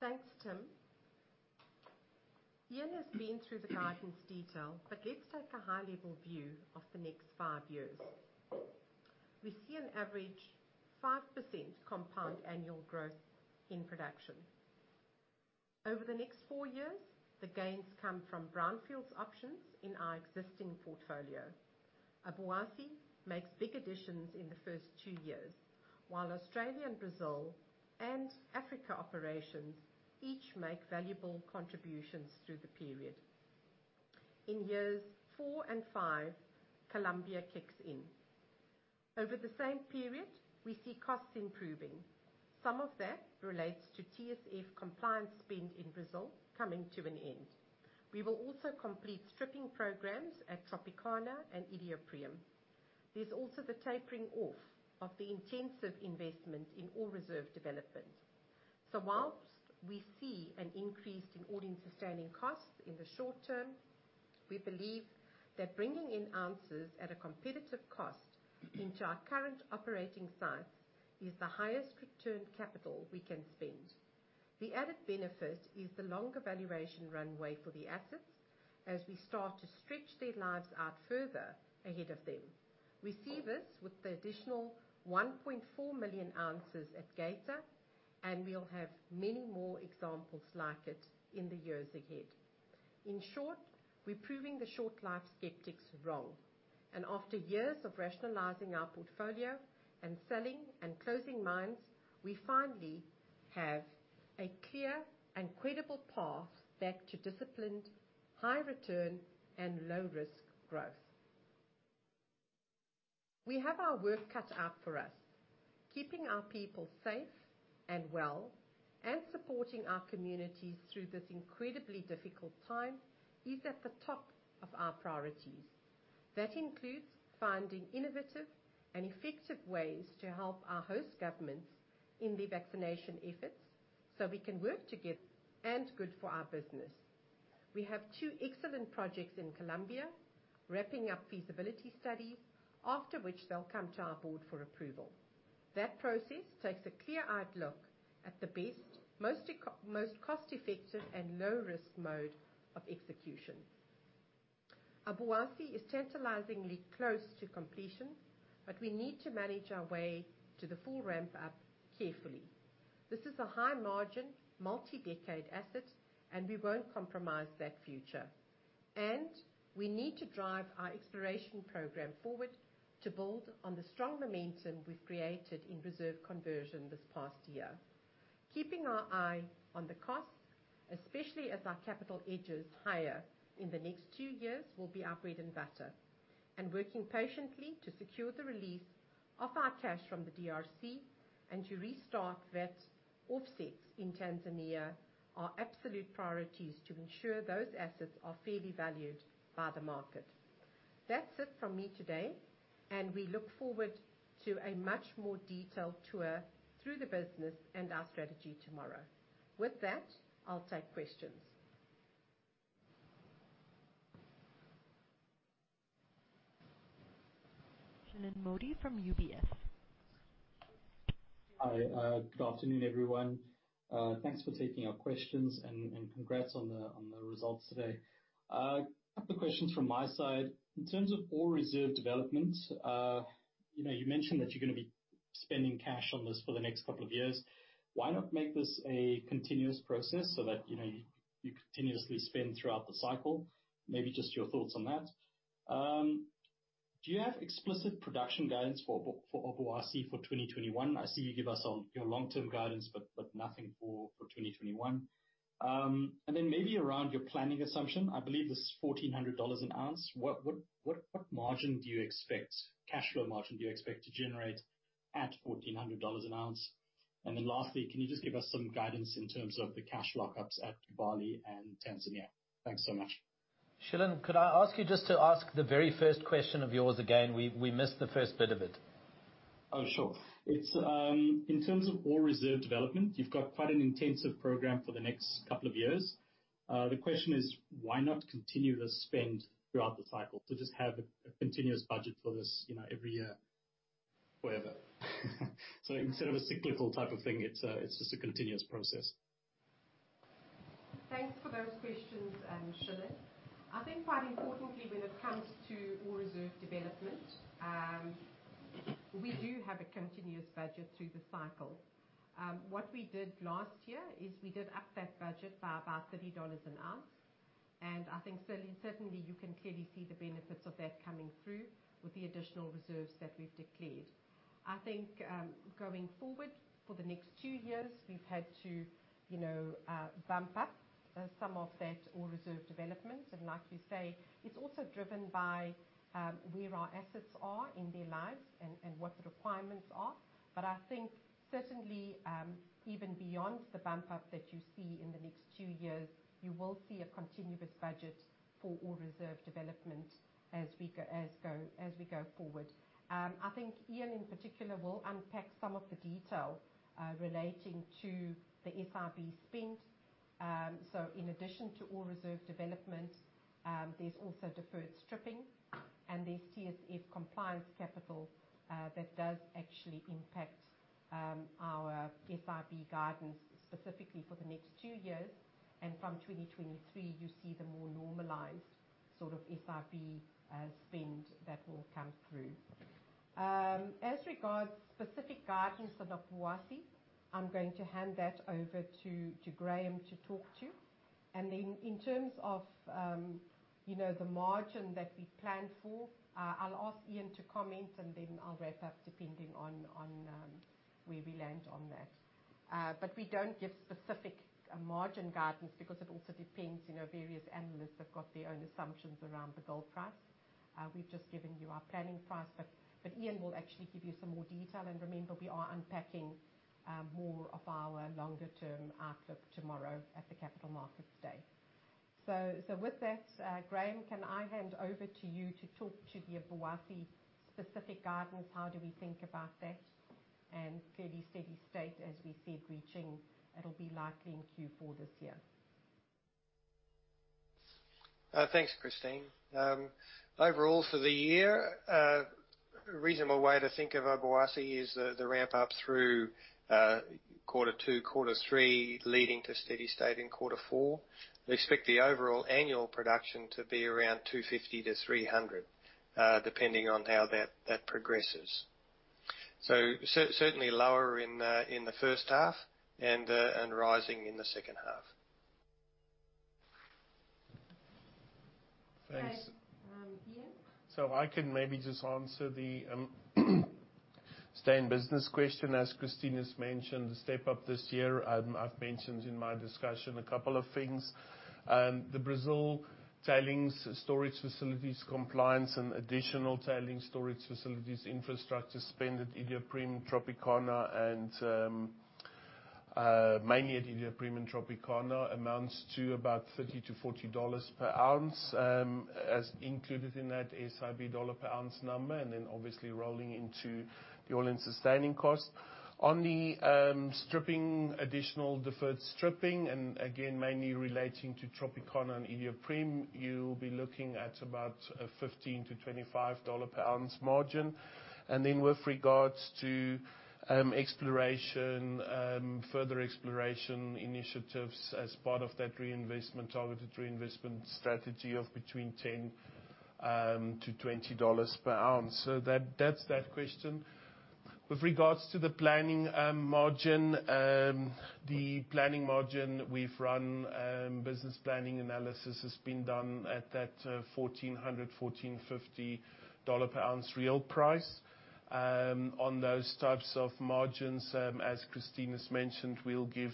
Thanks, Tim. Ian has been through the guidance detail. Let's take a high-level view of the next five years. We see an average 5% compound annual growth in production. Over the next four years, the gains come from brownfields options in our existing portfolio. Obuasi makes big additions in the first two years, while Australia and Brazil and Africa operations each make valuable contributions through the period. In years four and five, Colombia kicks in. Over the same period, we see costs improving. Some of that relates to TSF compliance spend in Brazil coming to an end. We will also complete stripping programs at Tropicana and Iduapriem. There's also the tapering off of the intensive investment in ore reserve development. Whilst we see an increase in all-in-sustaining costs in the short term, we believe that bringing in ounces at a competitive cost into our current operating sites is the highest return capital we can spend. The added benefit is the longer valuation runway for the assets as we start to stretch their lives out further ahead of them. We see this with the additional 1.4 million ounces at Geita, and we'll have many more examples like it in the years ahead. In short, we're proving the short-life skeptics wrong, and after years of rationalizing our portfolio and selling and closing mines, we finally have a clear and credible path back to disciplined, high return, and low risk growth. We have our work cut out for us. Keeping our people safe and well and supporting our communities through this incredibly difficult time is at the top of our priorities. That includes finding innovative and effective ways to help our host governments in their vaccination efforts so we can work together and good for our business. We have two excellent projects in Colombia, wrapping up feasibility studies, after which they'll come to our board for approval. That process takes a clear-eyed look at the best, most cost-effective, and low-risk mode of execution. Obuasi is tantalizingly close to completion, but we need to manage our way to the full ramp-up carefully. This is a high margin, multi-decade asset, and we won't compromise that future. We need to drive our exploration program forward to build on the strong momentum we've created in reserve conversion this past year. Keeping our eye on the costs, especially as our capital edges higher in the next two years, will be our bread and butter. Working patiently to secure the release of our cash from the DRC and to restart that offsets in Tanzania are absolute priorities to ensure those assets are fairly valued by the market. That's it from me today, and we look forward to a much more detailed tour through the business and our strategy tomorrow. With that, I'll take questions. Shilan Modi from UBS. Hi. Good afternoon, everyone. Thanks for taking our questions and congrats on the results today. A couple of questions from my side. In terms of ore reserve development, you mentioned that you're going to be spending cash on this for the next couple of years. Why not make this a continuous process so that you continuously spend throughout the cycle? Maybe just your thoughts on that. Do you have explicit production guidance for Obuasi for 2021? I see you give us your long-term guidance, nothing for 2021. Maybe around your planning assumption, I believe this is $1,400 an ounce. What margin do you expect, cash flow margin do you expect to generate at $1,400 an ounce? Lastly, can you just give us some guidance in terms of the cash lock-ups at Kibali and Tanzania? Thanks so much. Shilan, could I ask you just to ask the very first question of yours again? We missed the first bit of it. Oh, sure. In terms of ore reserve development, you've got quite an intensive program for the next couple of years. The question is, why not continue to spend throughout the cycle? Just have a continuous budget for this every year, forever. Instead of a cyclical type of thing, it's just a continuous process. Thanks for those questions, Shilan. I think quite importantly when it comes to ore reserve development, we do have a continuous budget through the cycle. What we did last year is we did up that budget by about $30 an ounce. I think certainly you can clearly see the benefits of that coming through with the additional reserves that we've declared. I think, going forward for the next two years, we've had to bump up some of that ore reserve development. Like you say, it's also driven by where our assets are in their lives and what the requirements are. I think certainly, even beyond the bump up that you see in the next two years, you will see a continuous budget for ore reserve development as we go forward. I think Ian in particular will unpack some of the detail relating to the SIB spend. In addition to ore reserve development, there's also deferred stripping and there's TSF compliance capital that does actually impact our SIB guidance specifically for the next two years. From 2023, you see the more normalized sort of SIB spend that will come through. As regards specific guidance on Obuasi, I'm going to hand that over to Graham to talk to. In terms of the margin that we plan for, I'll ask Ian to comment and then I'll wrap up depending on where we land on that. We don't give specific margin guidance because it also depends, various analysts have got their own assumptions around the gold price. We've just given you our planning price, but Ian will actually give you some more detail. Remember, we are unpacking more of our longer term outlook tomorrow at the Capital Markets Day. With that, Graham, can I hand over to you to talk to the Obuasi specific guidance, how do we think about that, and fairly steady state, as we said, reaching, it'll be likely in Q4 this year. Thanks, Christine. Overall for the year, a reasonable way to think of Obuasi is the ramp up through quarter two, quarter three, leading to steady state in quarter four. We expect the overall annual production to be around 250-300, depending on how that progresses. Certainly lower in the first half and rising in the second half. Thanks. Ian? I can maybe just answer the stay in business question. As Christine has mentioned, the step-up this year, I've mentioned in my discussion a couple of things. The Brazil tailings storage facilities compliance and additional tailings storage facilities infrastructure spend at Iduapriem, Tropicana and mainly at Iduapriem and Tropicana amounts to about $30-$40 per ounce, as included in that SIB dollar per ounce number, obviously rolling into the all-in sustaining cost. On the stripping, additional deferred stripping, again, mainly relating to Tropicana and Iduapriem, you'll be looking at about a $15-$25 per ounce margin. With regards to further exploration initiatives as part of that targeted reinvestment strategy of between $10-$20 per ounce. That's that question. With regards to the planning margin, the planning margin we've run, business planning analysis has been done at that $1,400, $1,450 per ounce real price. On those types of margins, as Christine has mentioned, we'll give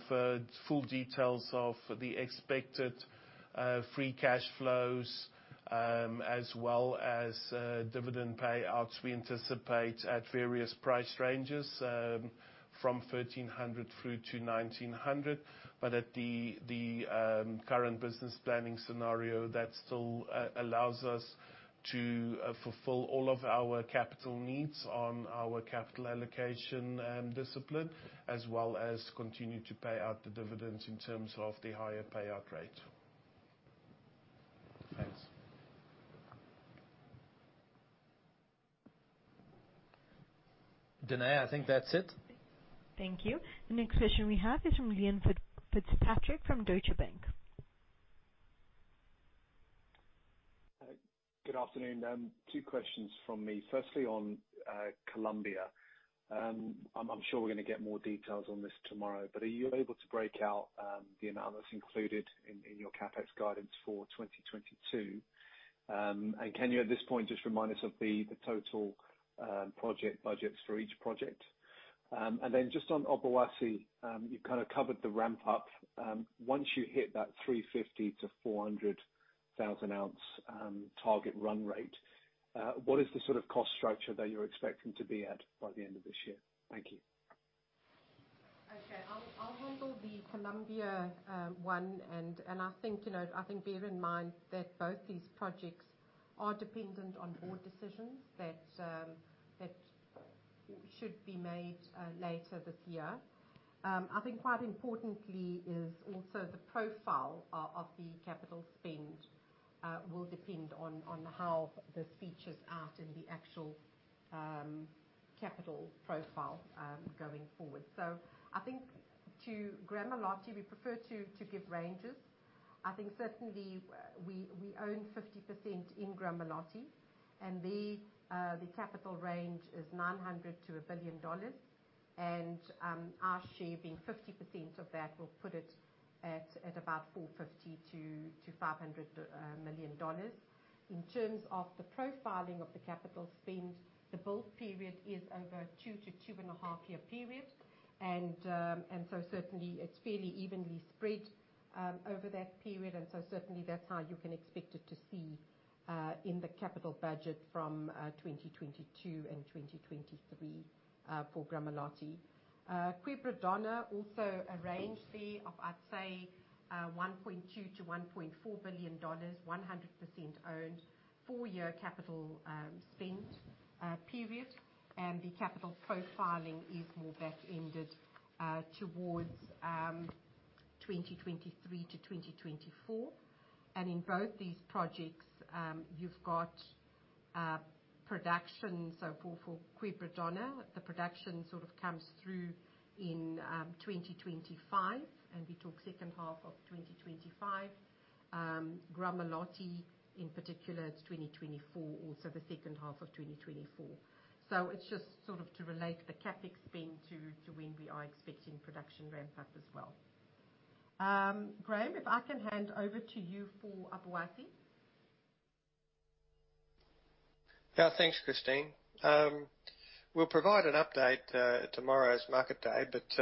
full details of the expected free cash flows, as well as dividend payouts we anticipate at various price ranges from $1,300 through to $1,900. At the current business planning scenario, that still allows us to fulfill all of our capital needs on our capital allocation and discipline, as well as continue to pay out the dividends in terms of the higher payout rate. Thanks. Danai, I think that's it. Thank you. The next question we have is from Liam Fitzpatrick from Deutsche Bank. Good afternoon. Two questions from me. Firstly, on Colombia. I'm sure we're going to get more details on this tomorrow, but are you able to break out the amount that's included in your CapEx guidance for 2022? Can you, at this point, just remind us of the total project budgets for each project? Then just on Obuasi, you kind of covered the ramp up. Once you hit that 350,000-400,000 ounce target run rate, what is the sort of cost structure that you're expecting to be at by the end of this year? Thank you. Okay. I'll handle the Colombia one. I think bear in mind that both these projects are dependent on board decisions that should be made later this year. I think quite importantly is also the profile of the capital spend will depend on how this features out in the actual capital profile, going forward. I think to Gramalote, we prefer to give ranges. I think certainly we own 50% in Gramalote, and the capital range is $900 million to $1 billion. Our share being 50% of that will put it at about $450 million-$500 million. In terms of the profiling of the capital spend, the build period is over two to two and a half year period. Certainly, it's fairly evenly spread over that period. Certainly, that's how you can expect it to see in the capital budget from 2022 and 2023 for Gramalote. Quebradona also a range there of, I'd say, $1.2 billion-$1.4 billion, 100% owned, four-year capital spend period. The capital profiling is more back-ended towards 2023-2024. In both these projects, you've got production. For Quebradona, the production sort of comes through in 2025, and we talk H2 of 2025. Gramalote, in particular, it's 2024, also the H2 of 2024. It's just sort of to relate the CapEx spend to when we are expecting production ramp up as well. Graham, if I can hand over to you for Obuasi. Yeah. Thanks, Christine. We'll provide an update at tomorrow's Capital Markets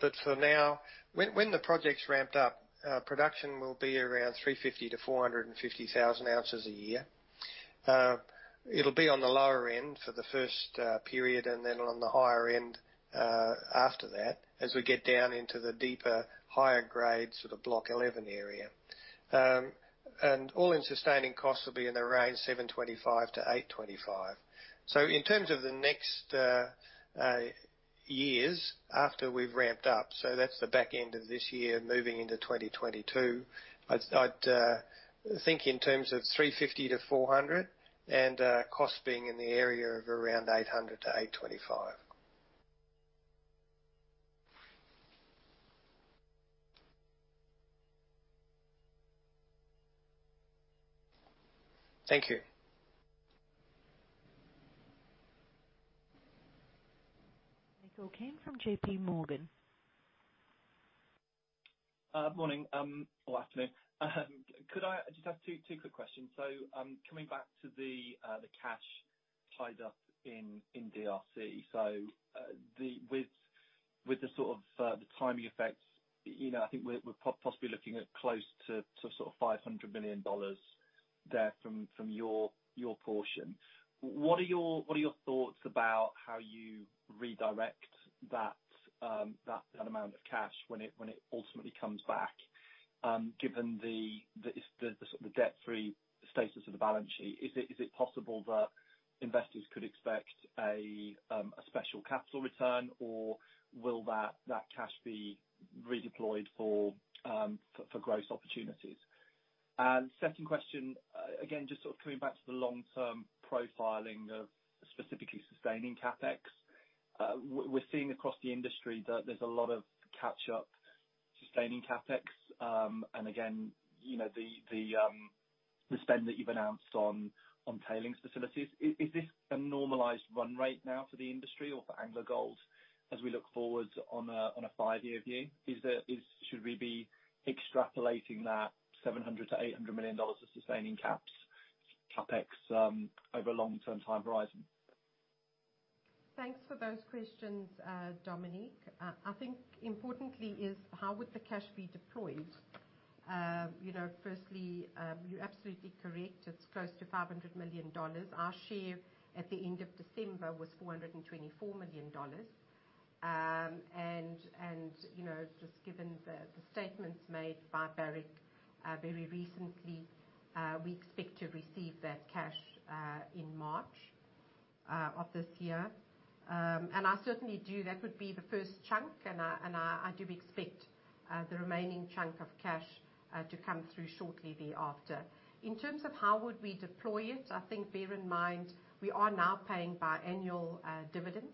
Day. For now, when the project's ramped up, production will be around 350,000-450,000 ounces a year. It'll be on the lower end for the first period, and then on the higher end after that, as we get down into the deeper, higher grade sort of Block 11 area. AISC will be in the range $725-$825. In terms of the next years after we've ramped up, that's the back end of this year moving into 2022, I'd think in terms of 350-400 and cost being in the area of around $800-$825. Thank you. Michael Cain from JPMorgan. Morning, or afternoon. I just have two quick questions. Coming back to the cash tied up in DRC. With the timing effects, I think we're possibly looking at close to $500 million there from your portion. What are your thoughts about how you redirect that amount of cash when it ultimately comes back, given the debt-free status of the balance sheet? Is it possible that investors could expect a special capital return, or will that cash be redeployed for growth opportunities? Second question, again, just coming back to the long-term profiling of specifically sustaining CapEx. We're seeing across the industry that there's a lot of catch-up sustaining CapEx. Again, the spend that you've announced on tailings facilities, is this a normalized run rate now for the industry or for AngloGold Ashanti as we look forward on a five-year view? Should we be extrapolating that $700 million-$800 million of sustaining CapEx over a long-term time horizon? Thanks for those questions, Dominic. I think importantly is how would the cash be deployed? Firstly, you're absolutely correct. It's close to $500 million. Our share at the end of December was $424 million. Just given the statements made by Barrick very recently, we expect to receive that cash, in March of this year. I certainly do. That would be the first chunk, and I do expect the remaining chunk of cash to come through shortly thereafter. In terms of how would we deploy it, I think bear in mind, we are now paying biannual dividends.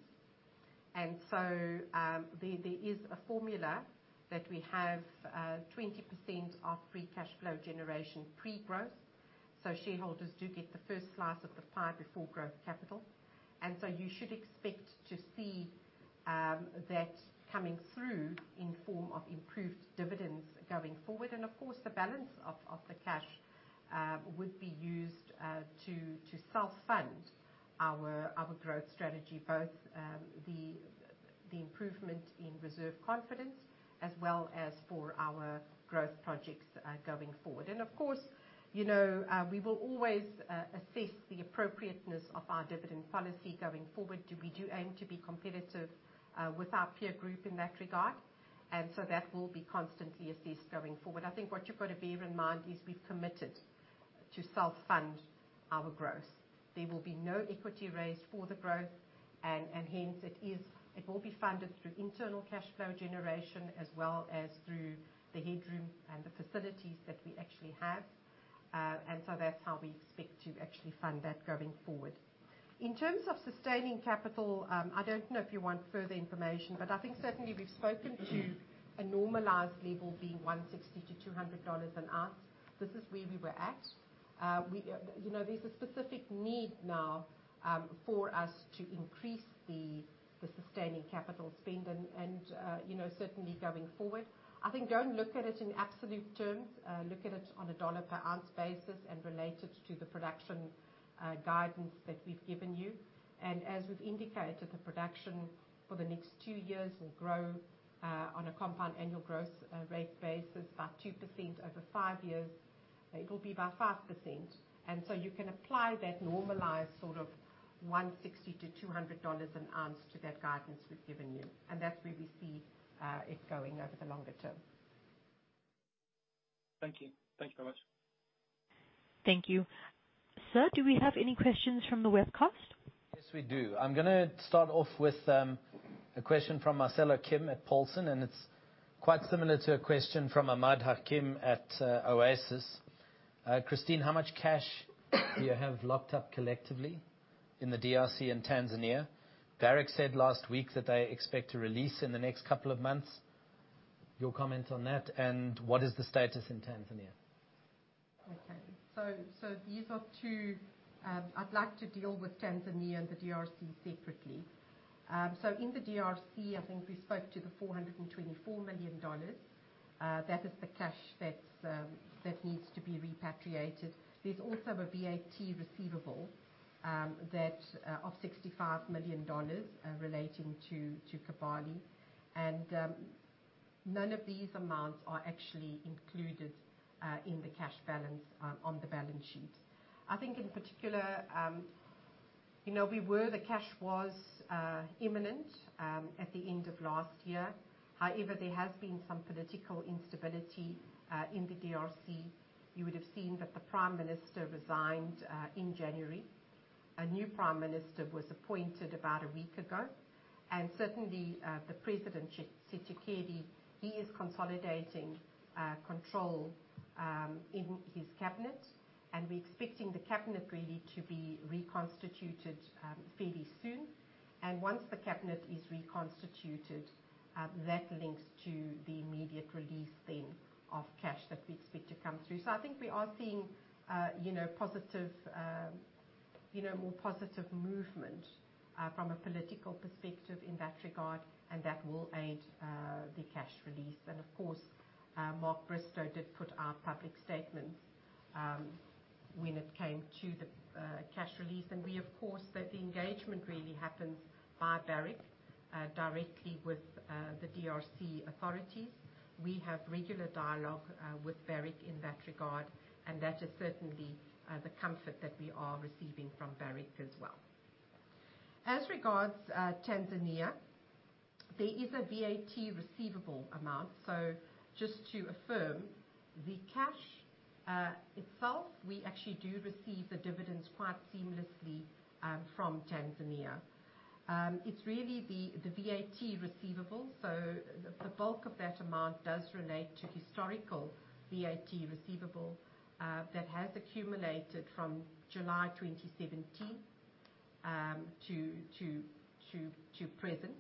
There is a formula that we have, 20% of free cash flow generation pre-growth. Shareholders do get the first slice of the pie before growth capital. You should expect to see that coming through in form of improved dividends going forward. Of course, the balance of the cash would be used to self-fund our growth strategy, both the improvement in reserve confidence as well as for our growth projects going forward. Of course, we will always assess the appropriateness of our dividend policy going forward. We do aim to be competitive with our peer group in that regard. That will be constantly assessed going forward. I think what you've got to bear in mind is we've committed to self-fund our growth. There will be no equity raise for the growth, and hence, it will be funded through internal cash flow generation as well as through the headroom and the facilities that we actually have. That's how we expect to actually fund that going forward. In terms of sustaining capital, I don't know if you want further information, but I think certainly we've spoken to a normalized level being $160-$200 an ounce. This is where we were at. There's a specific need now for us to increase the sustaining capital spend. Certainly going forward, I think go and look at it in absolute terms. Look at it on a dollar per ounce basis and relate it to the production guidance that we've given you. As we've indicated, the production for the next two years will grow, on a compound annual growth rate basis, by 2% over five years. It will be by 5%. You can apply that normalized sort of $160-$200 an ounce to that guidance we've given you. That's where we see it going over the longer term. Thank you. Thank you very much. Thank you. Sir, do we have any questions from the webcast? Yes, we do. I'm gonna start off with a question from Marcelo Kim at Paulson, and it's quite similar to a question from Ahmad Hakim at Oasis. Christine, how much cash do you have locked up collectively in the DRC and Tanzania? Barrick said last week that they expect to release in the next couple of months. Your comment on that, and what is the status in Tanzania? Okay. These are two. I'd like to deal with Tanzania and the DRC separately. In the DRC, I think we spoke to the $424 million. That is the cash that needs to be repatriated. There's also a VAT receivable of $65 million relating to Kibali. None of these amounts are actually included in the cash balance on the balance sheet. I think in particular, the cash was imminent at the end of last year. However, there has been some political instability in the DRC. You would have seen that the Prime Minister resigned in January. A new prime minister was appointed about a week ago. Certainly, President Tshisekedi, he is consolidating control in his cabinet. We're expecting the cabinet really to be reconstituted fairly soon. Once the cabinet is reconstituted, that links to the immediate release then of cash that we expect to come through. I think we are seeing more positive movement from a political perspective in that regard, and that will aid the cash release. Of course, Mark Bristow did put out public statements when it came to the cash release. We, of course, that the engagement really happens by Barrick directly with the DRC authorities. We have regular dialogue with Barrick in that regard, and that is certainly the comfort that we are receiving from Barrick as well. As regards Tanzania, there is a VAT receivable amount. Just to affirm, the cash itself, we actually do receive the dividends quite seamlessly from Tanzania. It's really the VAT receivable. The bulk of that amount does relate to historical VAT receivable that has accumulated from July 2017 to present.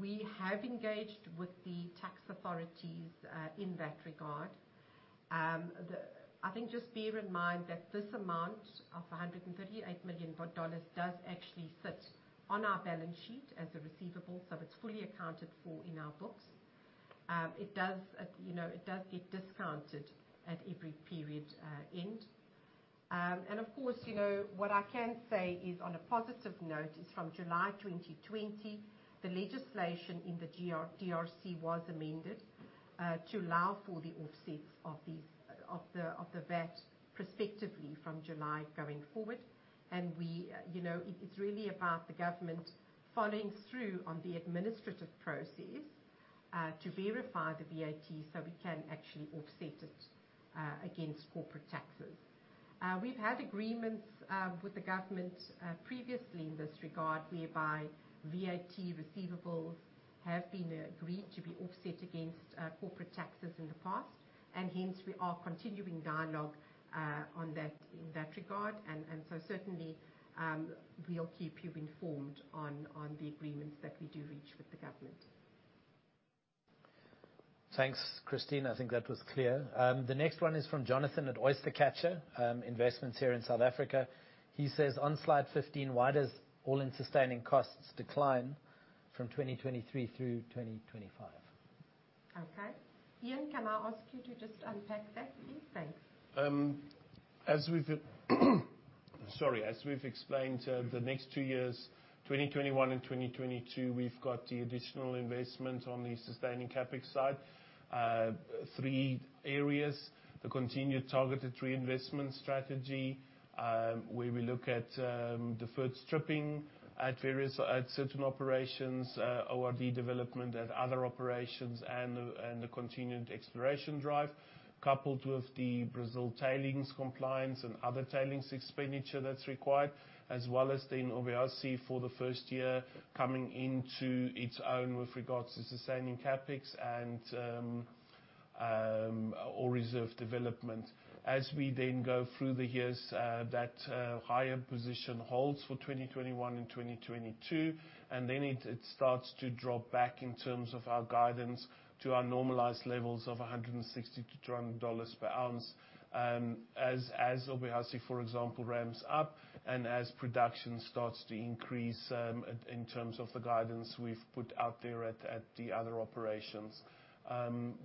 We have engaged with the tax authorities in that regard. I think just bear in mind that this amount of $138 million does actually sit on our balance sheet as a receivable, so it's fully accounted for in our books. It does get discounted at every period end. Of course, what I can say is on a positive note is from July 2020, the legislation in the DRC was amended to allow for the offset of the VAT prospectively from July going forward. It's really about the government following through on the administrative process to verify the VAT so we can actually offset it against corporate taxes. We've had agreements with the government previously in this regard, whereby VAT receivables have been agreed to be offset against corporate taxes in the past, and hence we are continuing dialogue in that regard. Certainly, we'll keep you informed on the agreements that we do reach with the government. Thanks, Christine. I think that was clear. The next one is from Jonathan at Oystercatcher Investments here in South Africa. He says, "On slide 15, why does all-in sustaining costs decline from 2023 through 2025? Okay. Ian, can I ask you to just unpack that, please? Thanks. Sorry. As we've explained, the next two years, 2021 and 2022, we've got the additional investment on the sustaining CapEx side. Three areas, the continued targeted reinvestment strategy, where we look at deferred stripping at certain operations, ORD development at other operations and the continued exploration drive, coupled with the Brazil tailings compliance and other tailings expenditure that's required, as well as then Obuasi for the first year coming into its own with regards to sustaining CapEx and ore reserve development. As we then go through the years, that higher position holds for 2021 and 2022, and then it starts to drop back in terms of our guidance to our normalized levels of $160-$200 per ounce. As Obuasi, for example, ramps up and as production starts to increase in terms of the guidance we've put out there at the other operations.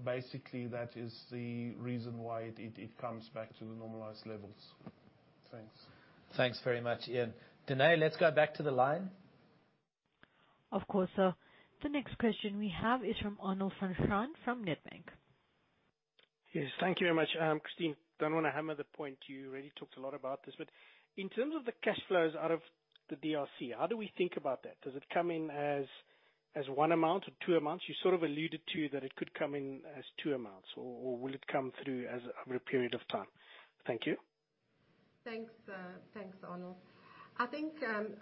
Basically, that is the reason why it comes back to the normalized levels. Thanks. Thanks very much, Ian. Danai, let's go back to the line. Of course, sir. The next question we have is from Arnold van Graan from Nedbank. Yes. Thank you very much. Christine, don't want to hammer the point, you already talked a lot about this, but in terms of the cash flows out of the DRC, how do we think about that? Does it come in as one amount or two amounts? You sort of alluded to that it could come in as two amounts, or will it come through over a period of time? Thank you. Thanks, Arnold. I think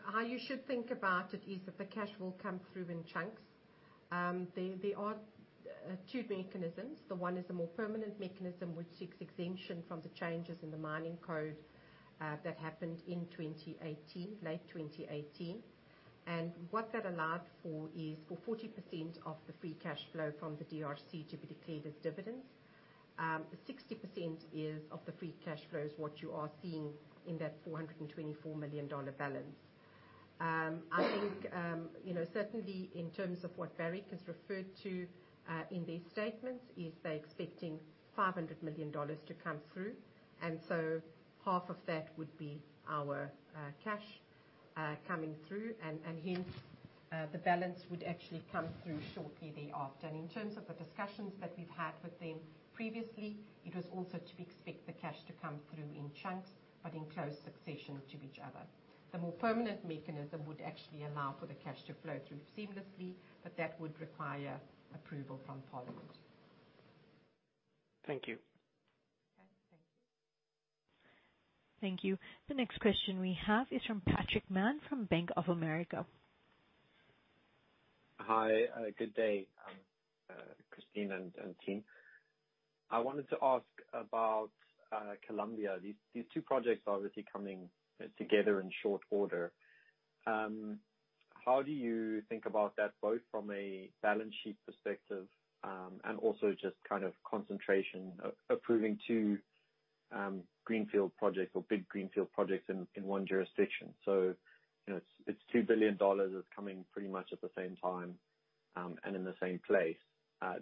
how you should think about it is that the cash will come through in chunks. There are two mechanisms. One is a more permanent mechanism which seeks exemption from the changes in the mining code that happened in late 2018. What that allowed for is for 40% of the free cash flow from the DRC to be declared as dividends. 60% is of the free cash flows, what you are seeing in that $424 million balance. I think certainly in terms of what Barrick has referred to in their statements, is they're expecting $500 million to come through. Half of that would be our cash coming through, and hence, the balance would actually come through shortly thereafter. In terms of the discussions that we've had with them previously, it was also to be expected, the cash to come through in chunks, but in close succession to each other. The more permanent mechanism would actually allow for the cash to flow through seamlessly, but that would require approval from Parliament. Thank you. Okay. Thank you. Thank you. The next question we have is from Patrick Mann from Bank of America. Hi. Good day, Christine and team. I wanted to ask about Colombia. These two projects are obviously coming together in short order. How do you think about that, both from a balance sheet perspective, and also just kind of concentration, approving two big greenfield projects in one jurisdiction? It's $2 billion that's coming pretty much at the same time and in the same place.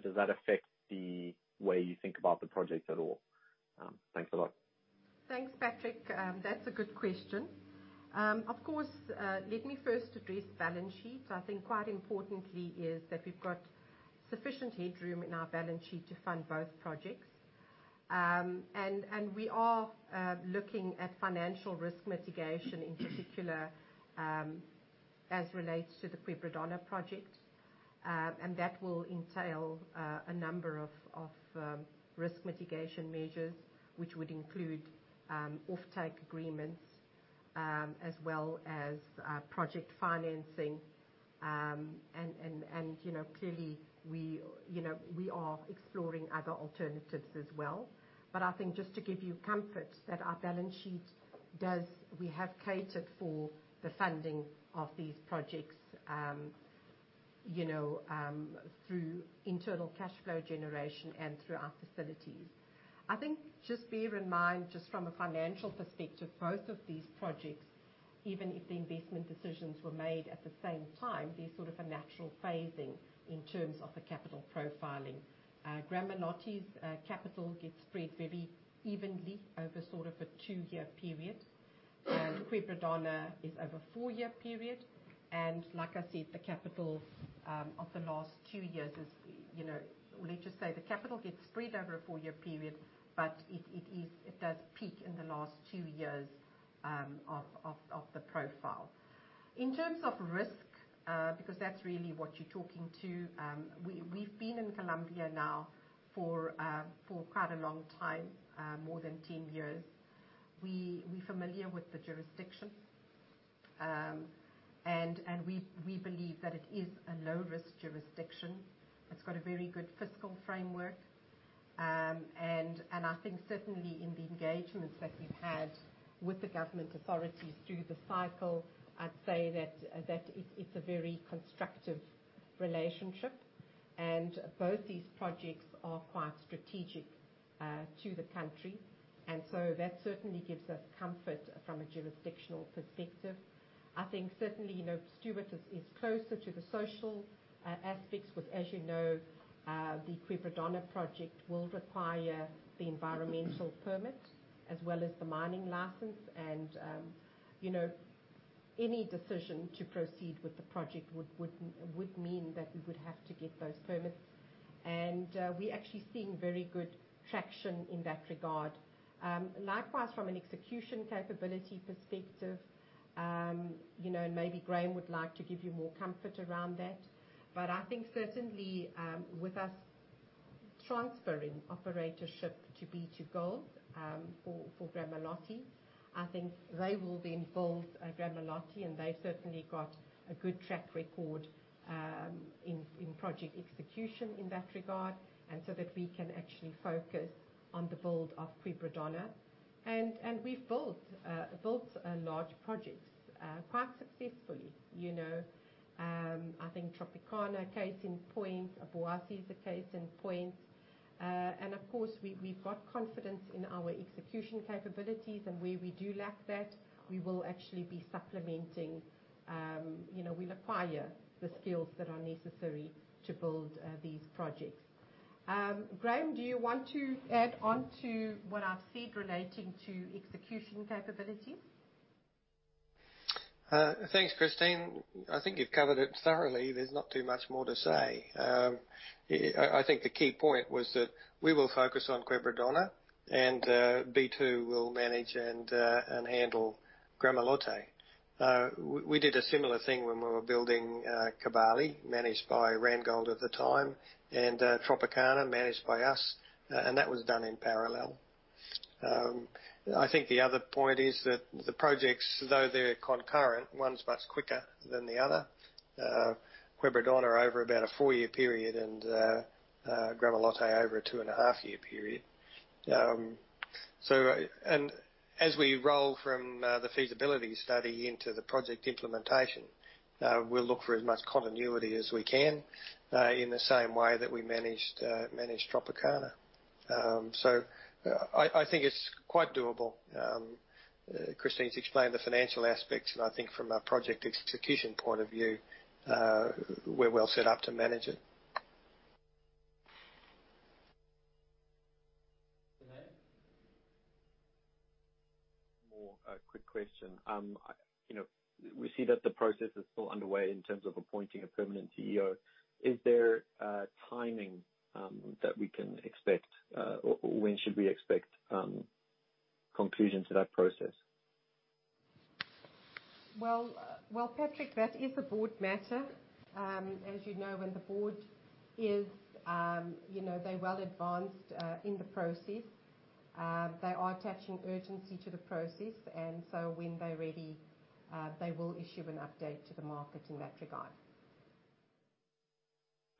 Does that affect the way you think about the project at all? Thanks a lot. Thanks, Patrick. That's a good question. Of course. Let me first address balance sheet. I think quite importantly is that we've got sufficient headroom in our balance sheet to fund both projects. We are looking at financial risk mitigation in particular, as relates to the Quebradona project. That will entail a number of risk mitigation measures, which would include offtake agreements, as well as project financing. Clearly, we are exploring other alternatives as well. I think just to give you comfort that our balance sheet does, we have catered for the funding of these projects through internal cash flow generation and through our facilities. I think, just bear in mind, just from a financial perspective, both of these projects, even if the investment decisions were made at the same time, there's sort of a natural phasing in terms of the capital profiling. Gramalote's capital gets spread very evenly over sort of a two-year period. Quebradona is over a four-year period. Like I said, the capital of the last two years is, let's just say the capital gets spread over a four-year period, but it does peak in the last two years of the profile. In terms of risk, because that's really what you're talking to. We've been in Colombia now for quite a long time, more than 10 years. We familiar with the jurisdiction. We believe that it is a low-risk jurisdiction. It's got a very good fiscal framework. I think certainly in the engagements that we've had with the government authorities through the cycle, I'd say that it's a very constructive relationship, and both these projects are quite strategic to the country. That certainly gives us comfort from a jurisdictional perspective. I think certainly, Stewart is closer to the social aspects with, as you know, the Quebradona project will require the environmental permit as well as the mining license. Any decision to proceed with the project would mean that we would have to get those permits. We're actually seeing very good traction in that regard. Likewise, from an execution capability perspective, maybe Graham would like to give you more comfort around that. I think certainly, with us transferring operatorship to B2Gold for Gramalote, I think they will then build Gramalote, they've certainly got a good track record in project execution in that regard, so that we can actually focus on the build of Quebradona. We've built large projects quite successfully. I think Tropicana case in point, Obuasi is a case in point. Of course, we've got confidence in our execution capabilities. Where we do lack that, we will actually be supplementing. We'll acquire the skills that are necessary to build these projects. Graham, do you want to add on to what I've said relating to execution capability? Thanks, Christine. I think you've covered it thoroughly. There's not too much more to say. I think the key point was that we will focus on Quebradona, and B2Gold will manage and handle Gramalote. We did a similar thing when we were building Kibali, managed by Randgold Resources at the time, and Tropicana managed by us, and that was done in parallel. I think the other point is that the projects, though they're concurrent, one's much quicker than the other. Quebradona over about a four-year period, and Gramalote over a two-and-a-half-year period. As we roll from the feasibility study into the project implementation, we'll look for as much continuity as we can, in the same way that we managed Tropicana. I think it's quite doable. Christine's explained the financial aspects, and I think from a project execution point of view, we're well set up to manage it. More a quick question. We see that the process is still underway in terms of appointing a permanent CEO. Is there a timing that we can expect? When should we expect conclusion to that process? Well, Patrick, that is a board matter. As you know, when the board is, they're well advanced in the process. They are attaching urgency to the process. When they're ready, they will issue an update to the market in that regard.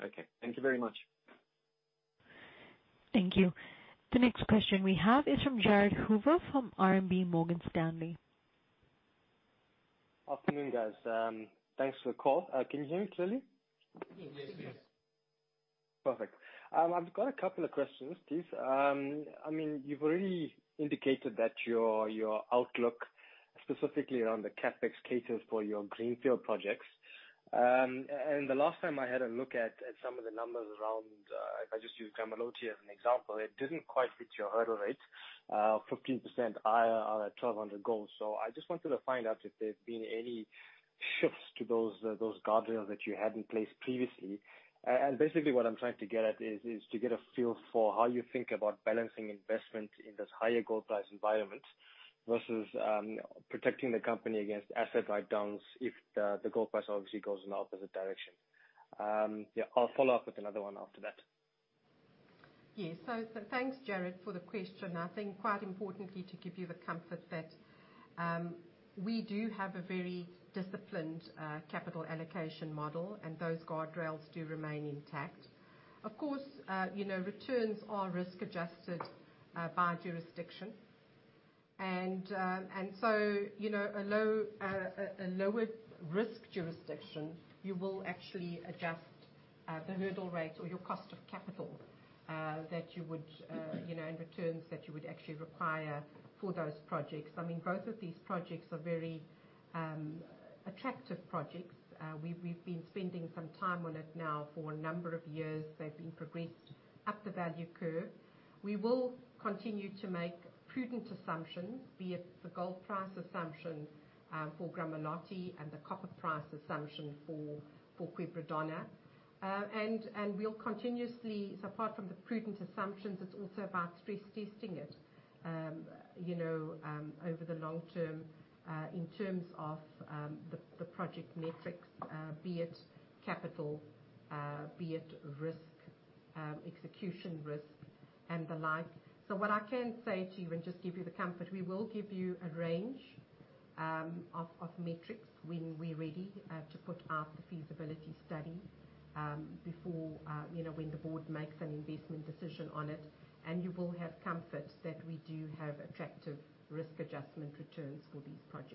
Okay. Thank you very much. Thank you. The next question we have is from Jared Hoover from RMB Morgan Stanley. Afternoon, guys. Thanks for the call. Can you hear me clearly? Yes. Perfect. I've got a couple of questions, please. You've already indicated that your outlook, specifically around the CapEx caters for your greenfield projects. The last time I had a look at some of the numbers around, if I just use Gramalote as an example, it didn't quite fit your hurdle rates, 15% IRR at $1,200 gold. I just wanted to find out if there's been any shifts to those guardrails that you had in place previously. Basically what I'm trying to get at is to get a feel for how you think about balancing investment in this higher gold price environment versus protecting the company against asset write-downs if the gold price obviously goes in the opposite direction. Yeah, I'll follow up with another one after that. Yes. Thanks, Jared, for the question. I think quite importantly, to give you the comfort that we do have a very disciplined capital allocation model, and those guardrails do remain intact. Of course, returns are risk-adjusted by jurisdiction. A lowered risk jurisdiction, you will actually adjust the hurdle rate or your cost of capital and returns that you would actually require for those projects. Both of these projects are very attractive projects. We've been spending some time on it now for a number of years. They've been progressed up the value curve. We will continue to make prudent assumptions, be it the gold price assumption for Gramalote and the copper price assumption for Quebradona. Apart from the prudent assumptions, it's also about stress-testing it over the long term in terms of the project metrics, be it capital, be it risk, execution risk, and the like. What I can say to you and just give you the comfort, we will give you a range of metrics when we're ready to put out the feasibility study when the board makes an investment decision on it. You will have comfort that we do have attractive risk-adjusted returns for these projects.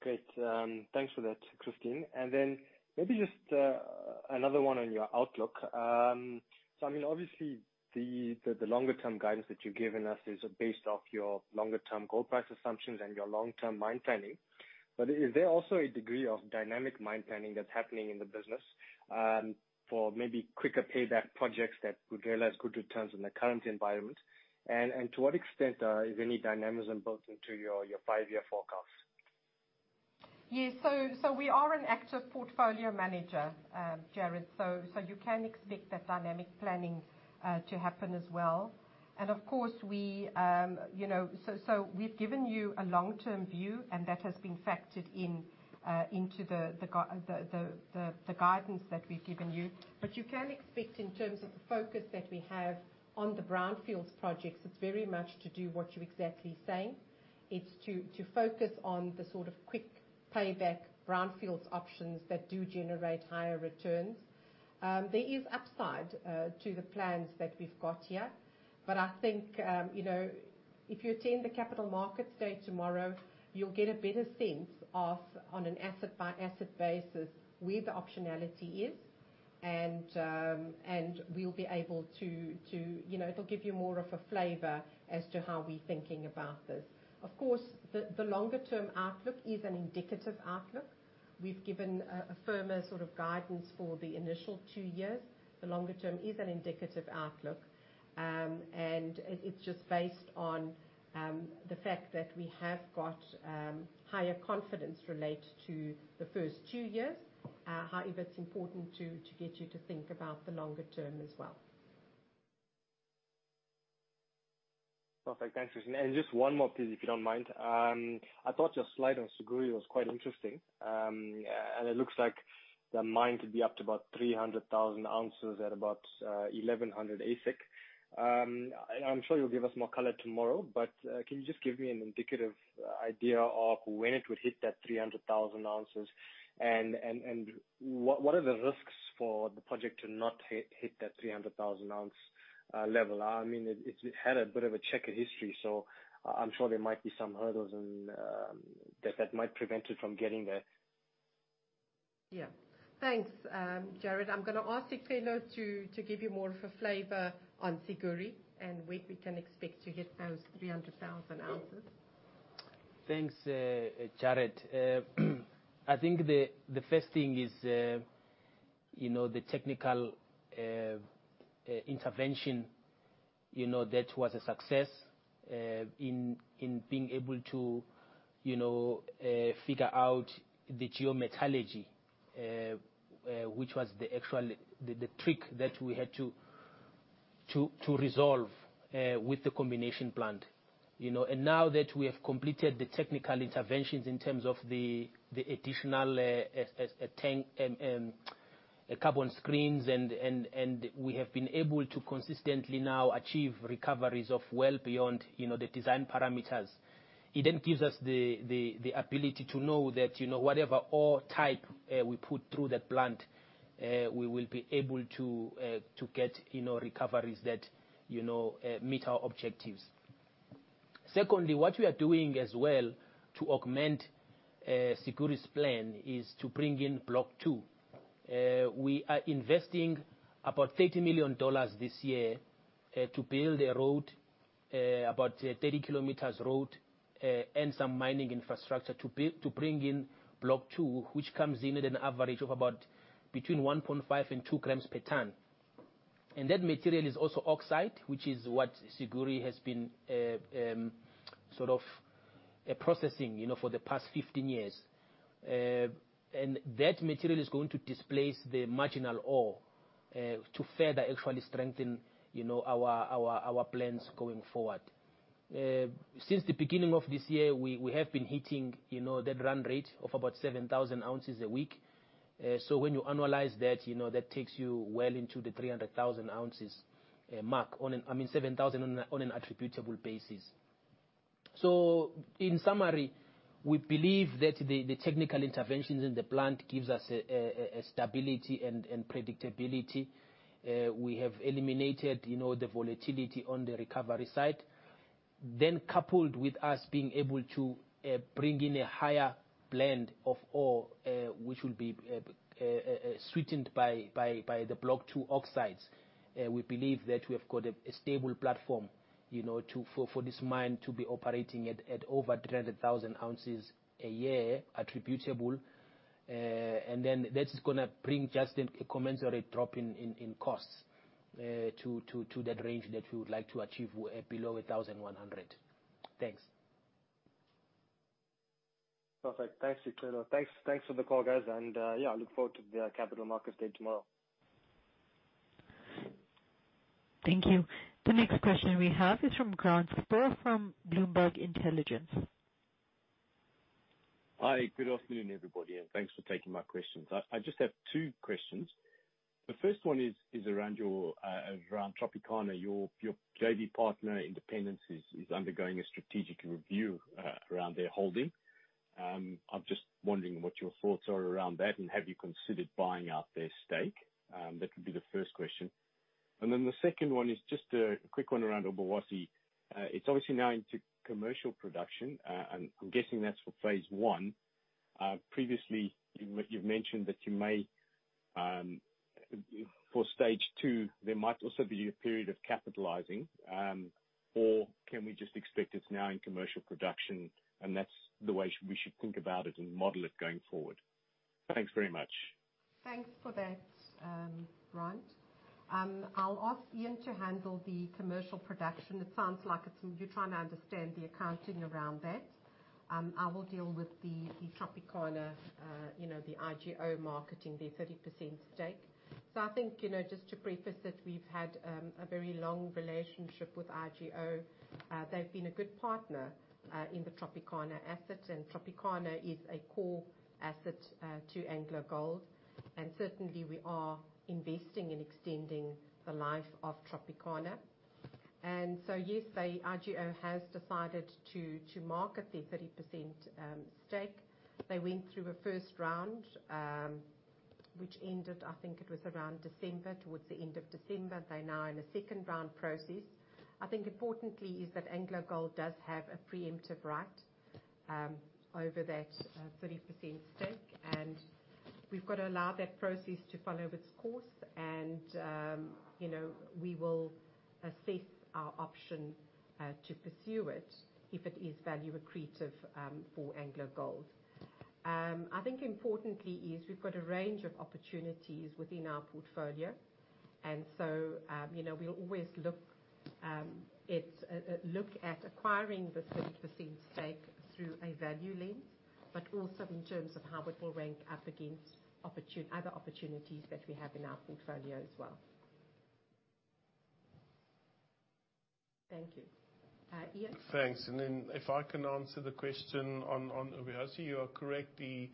Great. Thanks for that, Christine. Then maybe just another one on your outlook. Obviously, the longer-term guidance that you've given us is based off your longer-term gold price assumptions and your long-term mine planning. Is there also a degree of dynamic mine planning that's happening in the business for maybe quicker payback projects that would realize good returns in the current environment? To what extent is any dynamism built into your five-year forecast? Yes. We are an active portfolio manager, Jared, so you can expect that dynamic planning to happen as well. We've given you a long-term view, and that has been factored into the guidance that we've given you. You can expect in terms of the focus that we have on the brownfields projects, it's very much to do what you're exactly saying. It's to focus on the sort of quick payback brownfields options that do generate higher returns. There is upside to the plans that we've got here, but I think if you attend the Capital Markets Day tomorrow, you'll get a better sense of, on an asset-by-asset basis, where the optionality is, it'll give you more of a flavor as to how we're thinking about this. Of course, the longer-term outlook is an indicative outlook. We've given a firmer sort of guidance for the initial two years. The longer term is an indicative outlook, and it's just based on the fact that we have got higher confidence related to the first two years. However, it's important to get you to think about the longer term as well. Perfect. Thanks, Christine. Just one more please, if you don't mind. I thought your slide on Siguiri was quite interesting. It looks like the mine could be up to about 300,000 ounces at about $1,100 AISC. I'm sure you'll give us more color tomorrow, can you just give me an indicative idea of when it would hit that 300,000 ounces? What are the risks for the project to not hit that 300,000 ounce level? It had a bit of a checkered history, I'm sure there might be some hurdles that might prevent it from getting there. Thanks, Jared. I'm going to ask Sicelo to give you more of a flavor on Siguiri and when we can expect to hit those 300,000 ounces. Thanks, Jared. I think the first thing is the technical intervention that was a success in being able to figure out the geometallurgy, which was the actual trick that we had to resolve with the combination plant. Now that we have completed the technical interventions in terms of the additional carbon screens and we have been able to consistently now achieve recoveries of well beyond the design parameters. It gives us the ability to know that whatever ore type we put through that plant, we will be able to get recoveries that meet our objectives. Secondly, what we are doing as well to augment Siguiri's plan is to bring in Block 2. We are investing about $30 million this year to build a road, about a 30 km road, and some mining infrastructure to bring in Block 2, which comes in at an average of about between 1.5 and 2 grams per ton. That material is also oxide, which is what Siguiri has been sort of processing for the past 15 years. That material is going to displace the marginal ore to further actually strengthen our plans going forward. Since the beginning of this year, we have been hitting that run rate of about 7,000 ounces a week. When you annualize that takes you well into the 300,000 ounces mark. I mean, 7,000 on an attributable basis. In summary, we believe that the technical interventions in the plant gives us stability and predictability. We have eliminated the volatility on the recovery side. Coupled with us being able to bring in a higher blend of ore, which will be sweetened by the Block 2 Oxides. We believe that we have got a stable platform for this mine to be operating at over 300,000 ounces a year, attributable. That is going to bring just a commensurate drop in costs to that range that we would like to achieve below $1,100. Thanks. Perfect. Thanks. Thanks for the call, guys. Yeah, I look forward to the Capital Markets Day tomorrow. Thank you. The next question we have is from Grant Sporre from Bloomberg Intelligence. Hi, good afternoon, everybody. Thanks for taking my questions. I just have two questions. The first one is around Tropicana. Your JV partner, Independence, is undergoing a strategic review around their holding. I'm just wondering what your thoughts are around that, and have you considered buying out their stake? That would be the first question. The second one is just a quick one around Obuasi. It's obviously now into commercial production, and I'm guessing that's for phase I. Previously, you've mentioned that for Stage 2, there might also be a period of capitalizing. Can we just expect it's now in commercial production, and that's the way we should think about it and model it going forward? Thanks very much. Thanks for that, Grant. I'll ask Ian to handle the commercial production. It sounds like you're trying to understand the accounting around that. I will deal with the Tropicana, the IGO marketing, their 30% stake. I think, just to preface that we've had a very long relationship with IGO. They've been a good partner in the Tropicana asset, and Tropicana is a core asset to AngloGold, and certainly we are investing in extending the life of Tropicana. Yes, IGO has decided to market their 30% stake. They went through a first round, which ended, I think it was around December, towards the end of December. They're now in a second-round process. I think importantly is that AngloGold does have a preemptive right over that 30% stake, and we've got to allow that process to follow its course and we will assess our option to pursue it if it is value accretive for AngloGold. I think importantly is we've got a range of opportunities within our portfolio. We'll always look at acquiring the 30% stake through a value lens, but also in terms of how it will rank up against other opportunities that we have in our portfolio as well. Thank you. Ian? Thanks. If I can answer the question on Obuasi. You are correct, the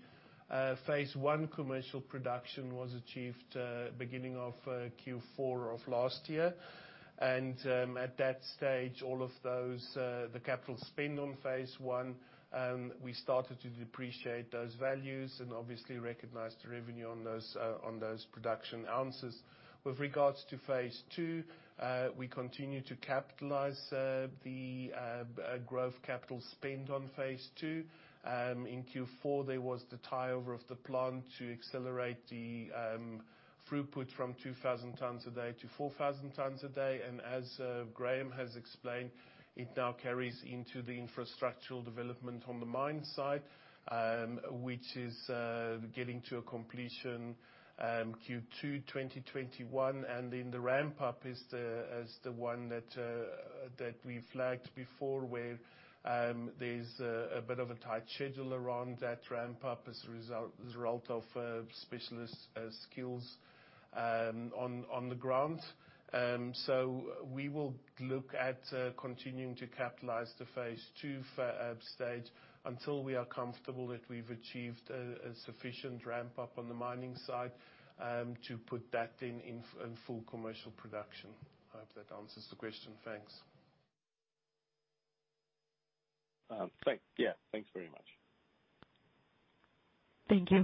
phase I commercial production was achieved beginning of Q4 of last year. At that stage, all of those, the capital spend on phase I, we started to depreciate those values and obviously recognized revenue on those production ounces. With regards to phase II, we continue to capitalize the growth capital spend on phase II. In Q4, there was the tie-over of the plant to accelerate the throughput from 2,000 tons a day to 4,000 tons a day. As Graham has explained, it now carries into the infrastructural development on the mine site, which is getting to a completion Q2 2021. The ramp-up is the one that we flagged before, where there's a bit of a tight schedule around that ramp-up as a result of specialist skills on the ground. We will look at continuing to capitalize the phase II stage until we are comfortable that we’ve achieved a sufficient ramp-up on the mining side to put that in full commercial production. I hope that answers the question. Thanks. Yeah. Thanks very much. Thank you.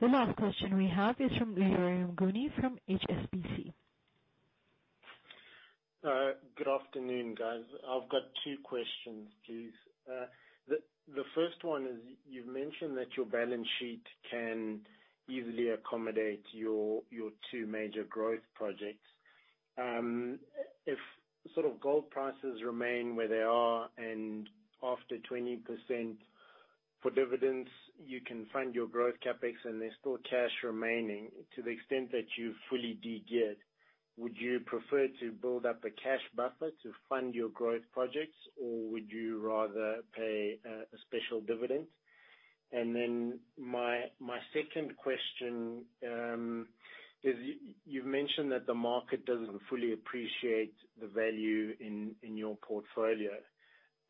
The last question we have is from Leroy Mnguni from HSBC. Good afternoon, guys. I've got two questions, please. The first one is, you've mentioned that your balance sheet can easily accommodate your two major growth projects. If gold prices remain where they are and after 20% for dividends, you can fund your growth CapEx and there's still cash remaining to the extent that you've fully de-geared. Would you prefer to build up a cash buffer to fund your growth projects, or would you rather pay a special dividend? My second question is, you've mentioned that the market doesn't fully appreciate the value in your portfolio.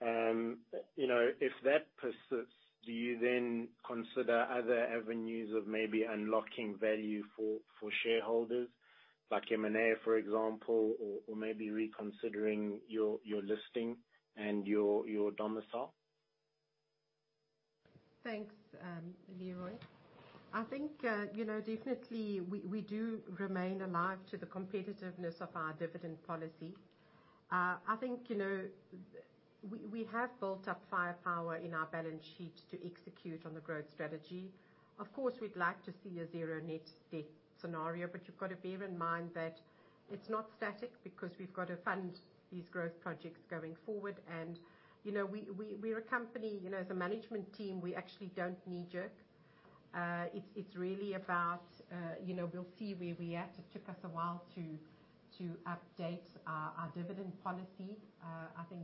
If that persists, do you then consider other avenues of maybe unlocking value for shareholders, like M&A, for example, or maybe reconsidering your listing and your domicile? Thanks, Leroy. I think, definitely, we do remain alive to the competitiveness of our dividend policy. I think we have built up firepower in our balance sheet to execute on the growth strategy. Of course, we'd like to see a zero net debt scenario, but you've got to bear in mind that it's not static, because we've got to fund these growth projects going forward. We're a company, as a management team, we actually don't knee-jerk. It's really about, we'll see where we are. It took us a while to update our dividend policy. I think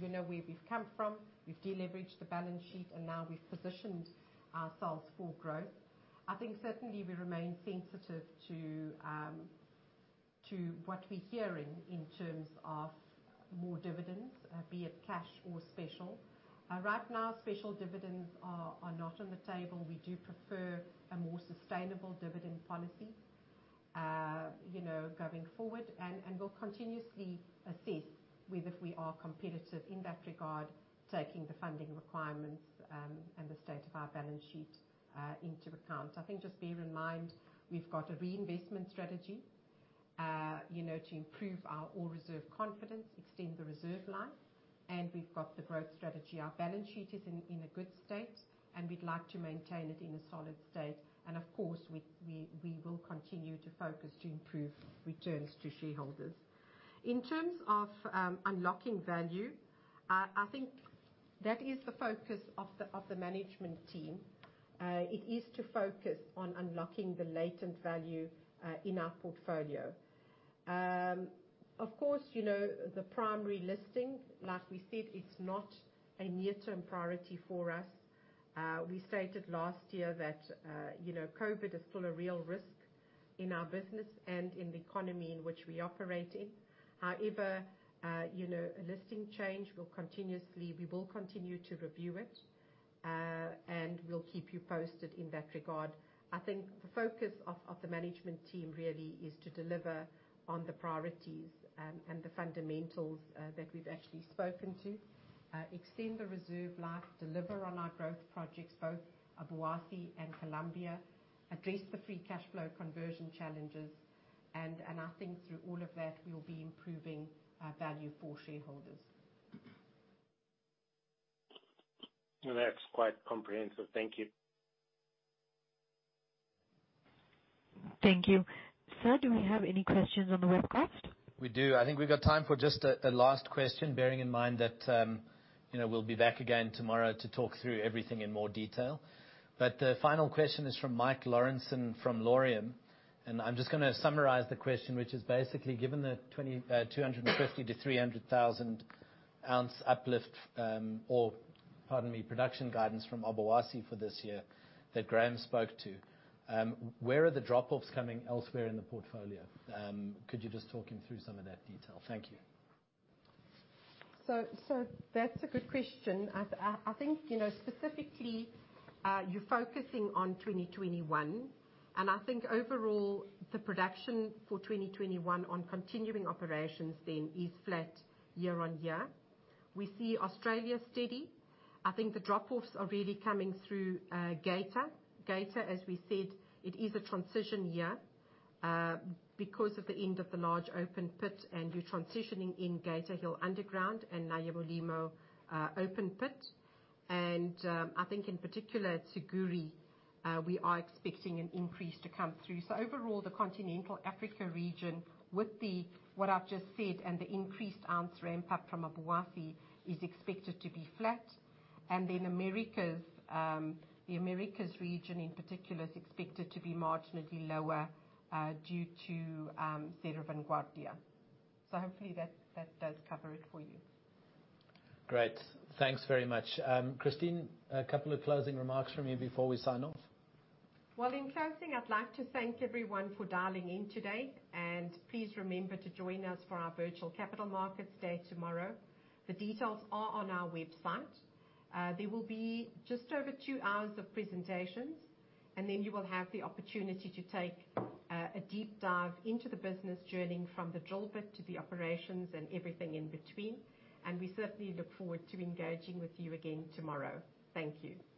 you know where we've come from. We've de-leveraged the balance sheet, and now we've positioned ourselves for growth. I think certainly we remain sensitive to what we're hearing in terms of more dividends, be it cash or special. Right now, special dividends are not on the table. We do prefer a more sustainable dividend policy going forward. We'll continuously assess whether we are competitive in that regard, taking the funding requirements, and the state of our balance sheet into account. I think just bear in mind, we've got a reinvestment strategy to improve our ore reserve confidence, extend the reserve life, and we've got the growth strategy. Our balance sheet is in a good state, and we'd like to maintain it in a solid state. Of course, we will continue to focus to improve returns to shareholders. In terms of unlocking value, I think that is the focus of the management team. It is to focus on unlocking the latent value in our portfolio. Of course, the primary listing, like we said, it's not a near-term priority for us. We stated last year that COVID is still a real risk in our business and in the economy in which we operate in. A listing change, we will continue to review it, and we'll keep you posted in that regard. I think the focus of the management team really is to deliver on the priorities, and the fundamentals, that we've actually spoken to. Extend the reserve life, deliver on our growth projects, both Obuasi and Colombia, address the free cash flow conversion challenges, and I think through all of that, we'll be improving our value for shareholders. That's quite comprehensive. Thank you. Thank you. Sir, do we have any questions on the webcast? We do. I think we've got time for just a last question, bearing in mind that we'll be back again tomorrow to talk through everything in more detail. The final question is from Mike Lawrenson from Laurium, and I'm just going to summarize the question, which is basically, given the 250,000-300,000 ounce uplift, or pardon me, production guidance from Obuasi for this year that Graham spoke to, where are the drop-offs coming elsewhere in the portfolio? Could you just talk him through some of that detail? Thank you. That's a good question. I think specifically, you're focusing on 2021, and I think overall, the production for 2021 on continuing operations then is flat year-on-year. We see Australia steady. I think the drop-offs are really coming through Geita. Geita, as we said, it is a transition year because of the end of the large open pit, and you're transitioning in Geita Hill underground and Nyamulilima open pit. I think in particular at Siguiri, we are expecting an increase to come through. Overall, the Continental Africa region with what I've just said and the increased ounce ramp-up from Obuasi is expected to be flat. Then the Americas region in particular is expected to be marginally lower, due to Cerro Vanguardia. Hopefully that does cover it for you. Great. Thanks very much. Christine, a couple of closing remarks from you before we sign off. Well, in closing, I'd like to thank everyone for dialing in today. Please remember to join us for our virtual Capital Markets Day tomorrow. The details are on our website. There will be just over two hours of presentations. You will have the opportunity to take a deep dive into the business journey from the drill bit to the operations and everything in between. We certainly look forward to engaging with you again tomorrow. Thank you.